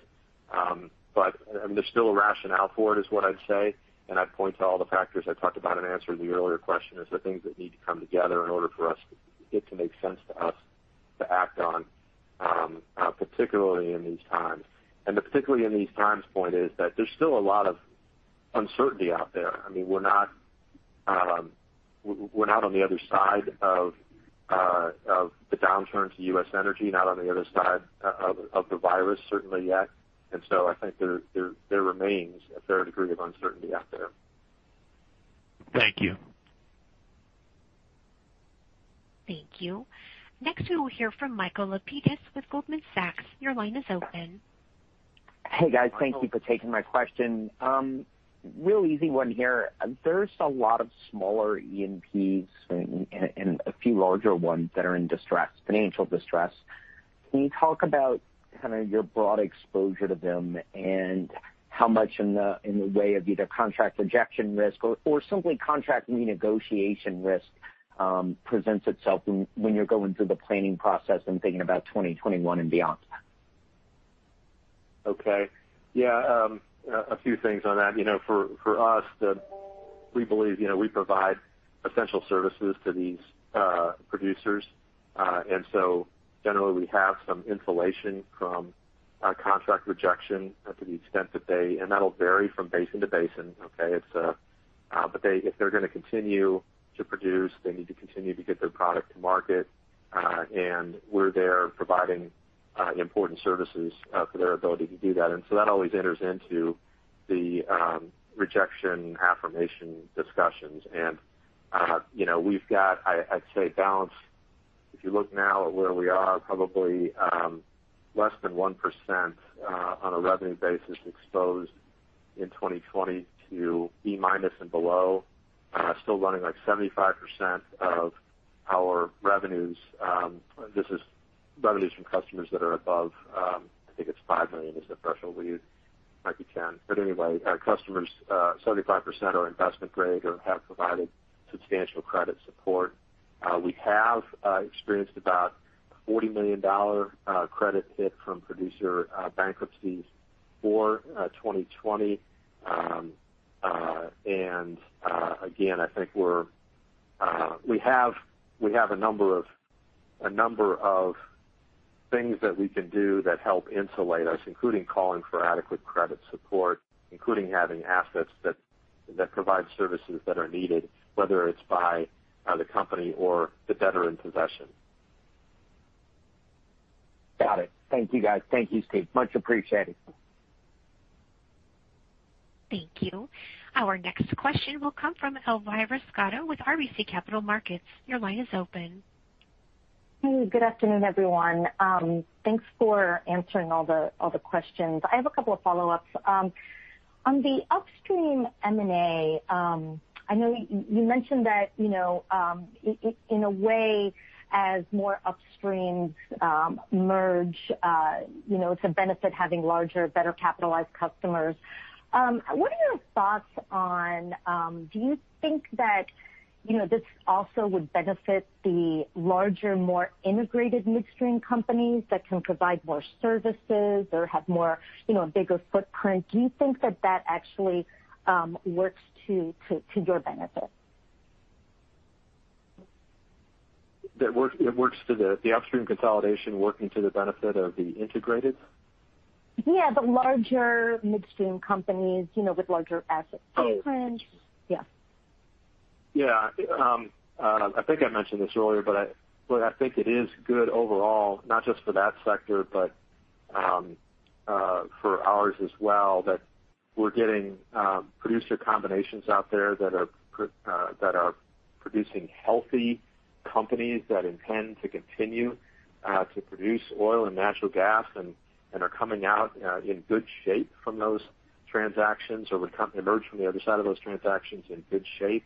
There's still a rationale for it, is what I'd say. I'd point to all the factors I talked about in answering the earlier question as the things that need to come together in order for it to make sense to us to act on, particularly in these times. The particularly in these times point is that there's still a lot of uncertainty out there. I mean, we're not on the other side of the downturn to U.S. energy, not on the other side of the virus certainly yet. I think there remains a fair degree of uncertainty out there. Thank you. Thank you. Next, we will hear from Michael Lapides with Goldman Sachs. Your line is open. Hey, guys. Thank you for taking my question. Real easy one here. There's a lot of smaller E&Ps and a few larger ones that are in distress, financial distress. Can you talk about kind of your broad exposure to them and how much in the way of either contract rejection risk or simply contract renegotiation risk presents itself when you're going through the planning process and thinking about 2021 and beyond? Okay. Yeah, a few things on that. For us, we believe we provide essential services to these producers. Generally we have some insulation from contract rejection to the extent that they, and that'll vary from basin to basin. Okay? If they're going to continue to produce, they need to continue to get their product to market. We're there providing important services for their ability to do that. That always enters into the rejection affirmation discussions. We've got, I'd say, balance. If you look now at where we are, probably less than 1% on a revenue basis exposed in 2020 to B- and below. Still running like 75% of our revenues. This is revenues from customers that are above, I think it's 5 million is the threshold we use. Might be 10. Anyway, our customers, 75% are investment grade or have provided substantial credit support. We have experienced about $40 million credit hit from producer bankruptcies for 2020. Again, I think we have a number of things that we can do that help insulate us, including calling for adequate credit support, including having assets that provide services that are needed, whether it's by the company or the debtor in possession. Got it. Thank you, guys. Thank you, Steve. Much appreciated. Thank you. Our next question will come from Elvira Scotto with RBC Capital Markets. Your line is open. Hey, good afternoon, everyone. Thanks for answering all the questions. I have a couple of follow-ups. On the upstream M&A, I know you mentioned that, in a way, as more upstreams merge, it's a benefit having larger, better capitalized customers. Do you think that this also would benefit the larger, more integrated midstream companies that can provide more services or have a bigger footprint? Do you think that actually works to your benefit? That it works to the upstream consolidation working to the benefit of the integrated? Yeah, the larger midstream companies with larger asset footprints. Yeah. Yeah. I think I mentioned this earlier, but I think it is good overall, not just for that sector, but for ours as well, that we're getting producer combinations out there that are producing healthy companies that intend to continue to produce oil and natural gas and are coming out in good shape from those transactions, or would emerge from the other side of those transactions in good shape.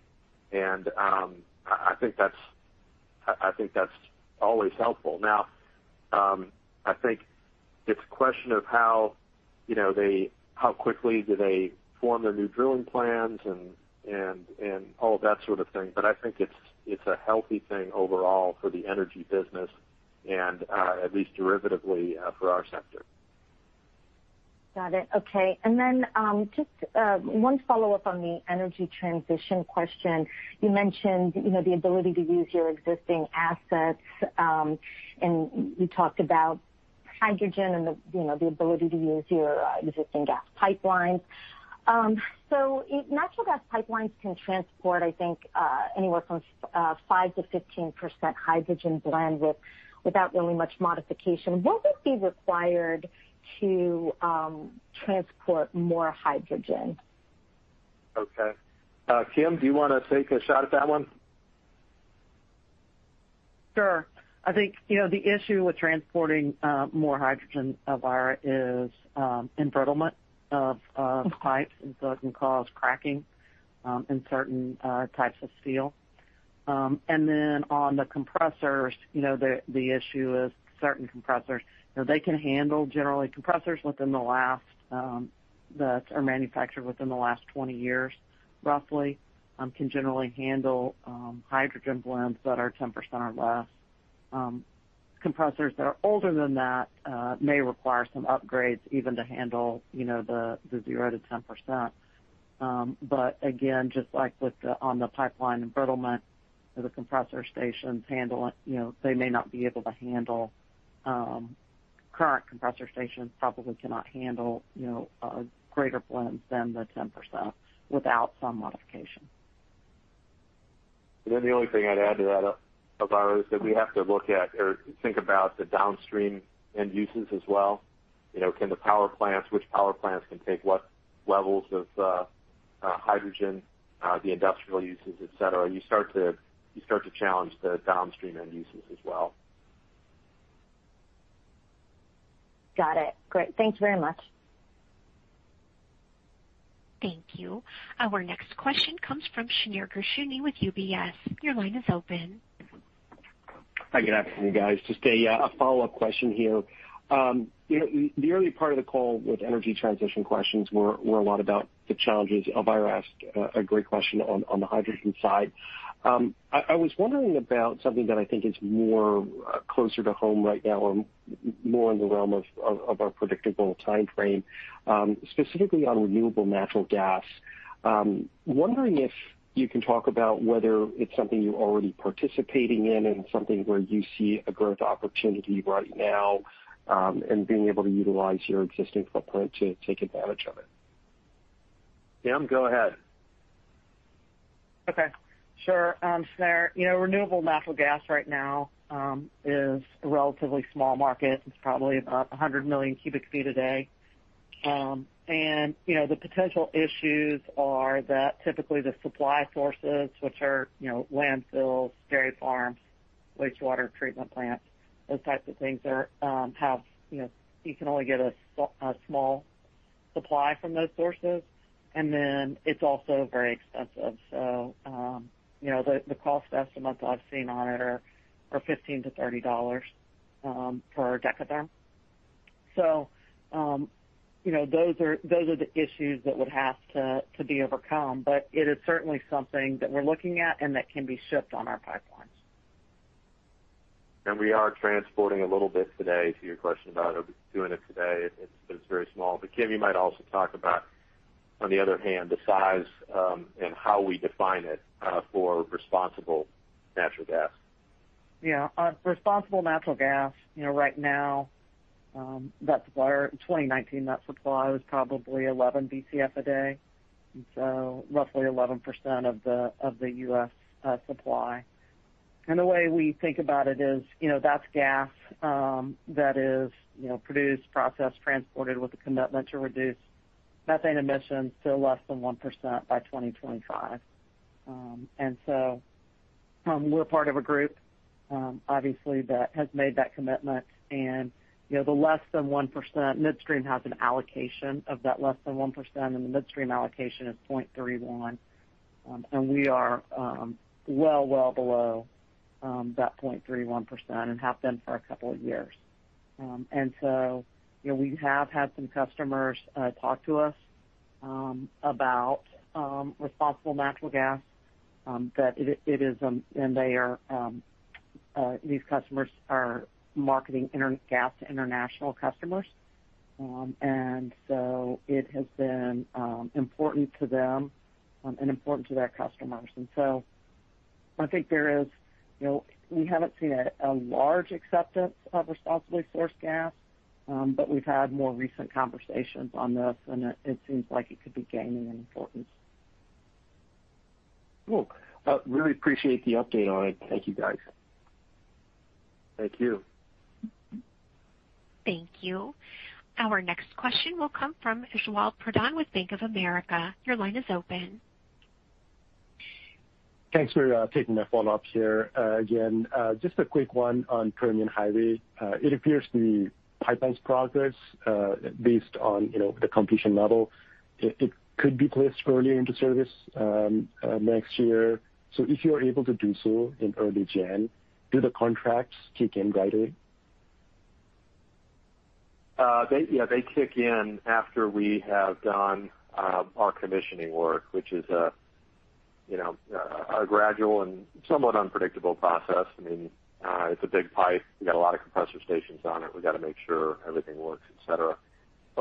I think that's always helpful. Now, I think it's a question of how quickly do they form their new drilling plans and all of that sort of thing. I think it's a healthy thing overall for the energy business and at least derivatively for our sector. Got it. Okay. Just one follow-up on the energy transition question. You mentioned the ability to use your existing assets, and you talked about hydrogen and the ability to use your existing gas pipelines. Natural gas pipelines can transport, I think, anywhere from 5%-15% hydrogen blend without really much modification. What would be required to transport more hydrogen? Okay. Kim, do you want to take a shot at that one? Sure. I think the issue with transporting more hydrogen, Elvira, is embrittlement of pipes. It can cause cracking in certain types of steel. On the compressors, the issue is certain compressors. Generally, compressors that are manufactured within the last 20 years, roughly, can generally handle hydrogen blends that are 10% or less. Compressors that are older than that may require some upgrades even to handle the 0%-10%. Again, just like on the pipeline embrittlement of the compressor stations handling, current compressor stations probably cannot handle a greater blend than the 10% without some modification. The only thing I'd add to that, Elvira, is that we have to look at or think about the downstream end uses as well. Which power plants can take what levels of hydrogen? The industrial uses, et cetera. You start to challenge the downstream end uses as well. Got it. Great. Thanks very much. Thank you. Our next question comes from Shneur Gershuni with UBS. Your line is open. Hi, good afternoon, guys. Just a follow-up question here. The early part of the call with energy transition questions were a lot about the challenges. Elvira asked a great question on the hydrogen side. I was wondering about something that I think is more closer to home right now or more in the realm of our predictable timeframe. Specifically on renewable natural gas. Wondering if you can talk about whether it's something you're already participating in and something where you see a growth opportunity right now, and being able to utilize your existing footprint to take advantage of it. Kim, go ahead. Okay, sure. Shneur, renewable natural gas right now is a relatively small market. It's probably about 100 million cubic feet a day. The potential issues are that typically the supply sources, which are landfills, dairy farms, wastewater treatment plants, those types of things, you can only get a small supply from those sources. It's also very expensive. The cost estimates I've seen on it are $15-$30 per Dth. Those are the issues that would have to be overcome. It is certainly something that we're looking at and that can be shipped on our pipelines. We are transporting a little bit today. To your question about doing it today, it's very small. Kim, you might also talk about, on the other hand, the size, and how we define it for responsible natural gas. Yeah. Responsible natural gas right now, in 2019, net supply was probably 11 Bcf a day, and so roughly 11% of the U.S. supply. The way we think about it is, that's gas that is produced, processed, transported with a commitment to reduce methane emissions to less than 1% by 2025. We're part of a group, obviously, that has made that commitment. The less than 1%, midstream has an allocation of that less than 1%, and the midstream allocation is 0.31. We are well below that 0.31% and have been for a couple of years. We have had some customers talk to us about responsible natural gas. These customers are marketing gas to international customers. It has been important to them and important to their customers. I think we haven't seen a large acceptance of responsibly sourced gas, but we've had more recent conversations on this, and it seems like it could be gaining in importance. Cool. Really appreciate the update on it. Thank you, guys. Thank you. Thank you. Our next question will come from Ujjwal Pradhan with Bank of America. Your line is open. Thanks for taking my follow-up here. Just a quick one on Permian Highway. It appears the pipeline's progress, based on the completion level, it could be placed early into service next year. If you are able to do so in early January, do the contracts kick in right away? Yeah, they kick in after we have done our commissioning work, which is a gradual and somewhat unpredictable process. I mean, it's a big pipe. We got a lot of compressor stations on it. We got to make sure everything works, et cetera.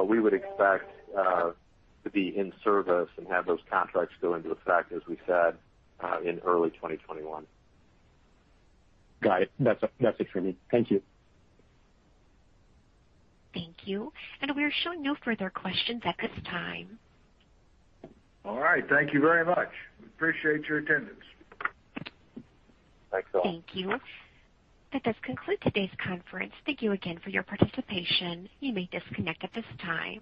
We would expect to be in service and have those contracts go into effect, as we said, in early 2021. Got it. That's it for me. Thank you. Thank you. We are showing no further questions at this time. All right. Thank you very much. We appreciate your attendance. Thanks all. Thank you. That does conclude today's conference. Thank you again for your participation. You may disconnect at this time.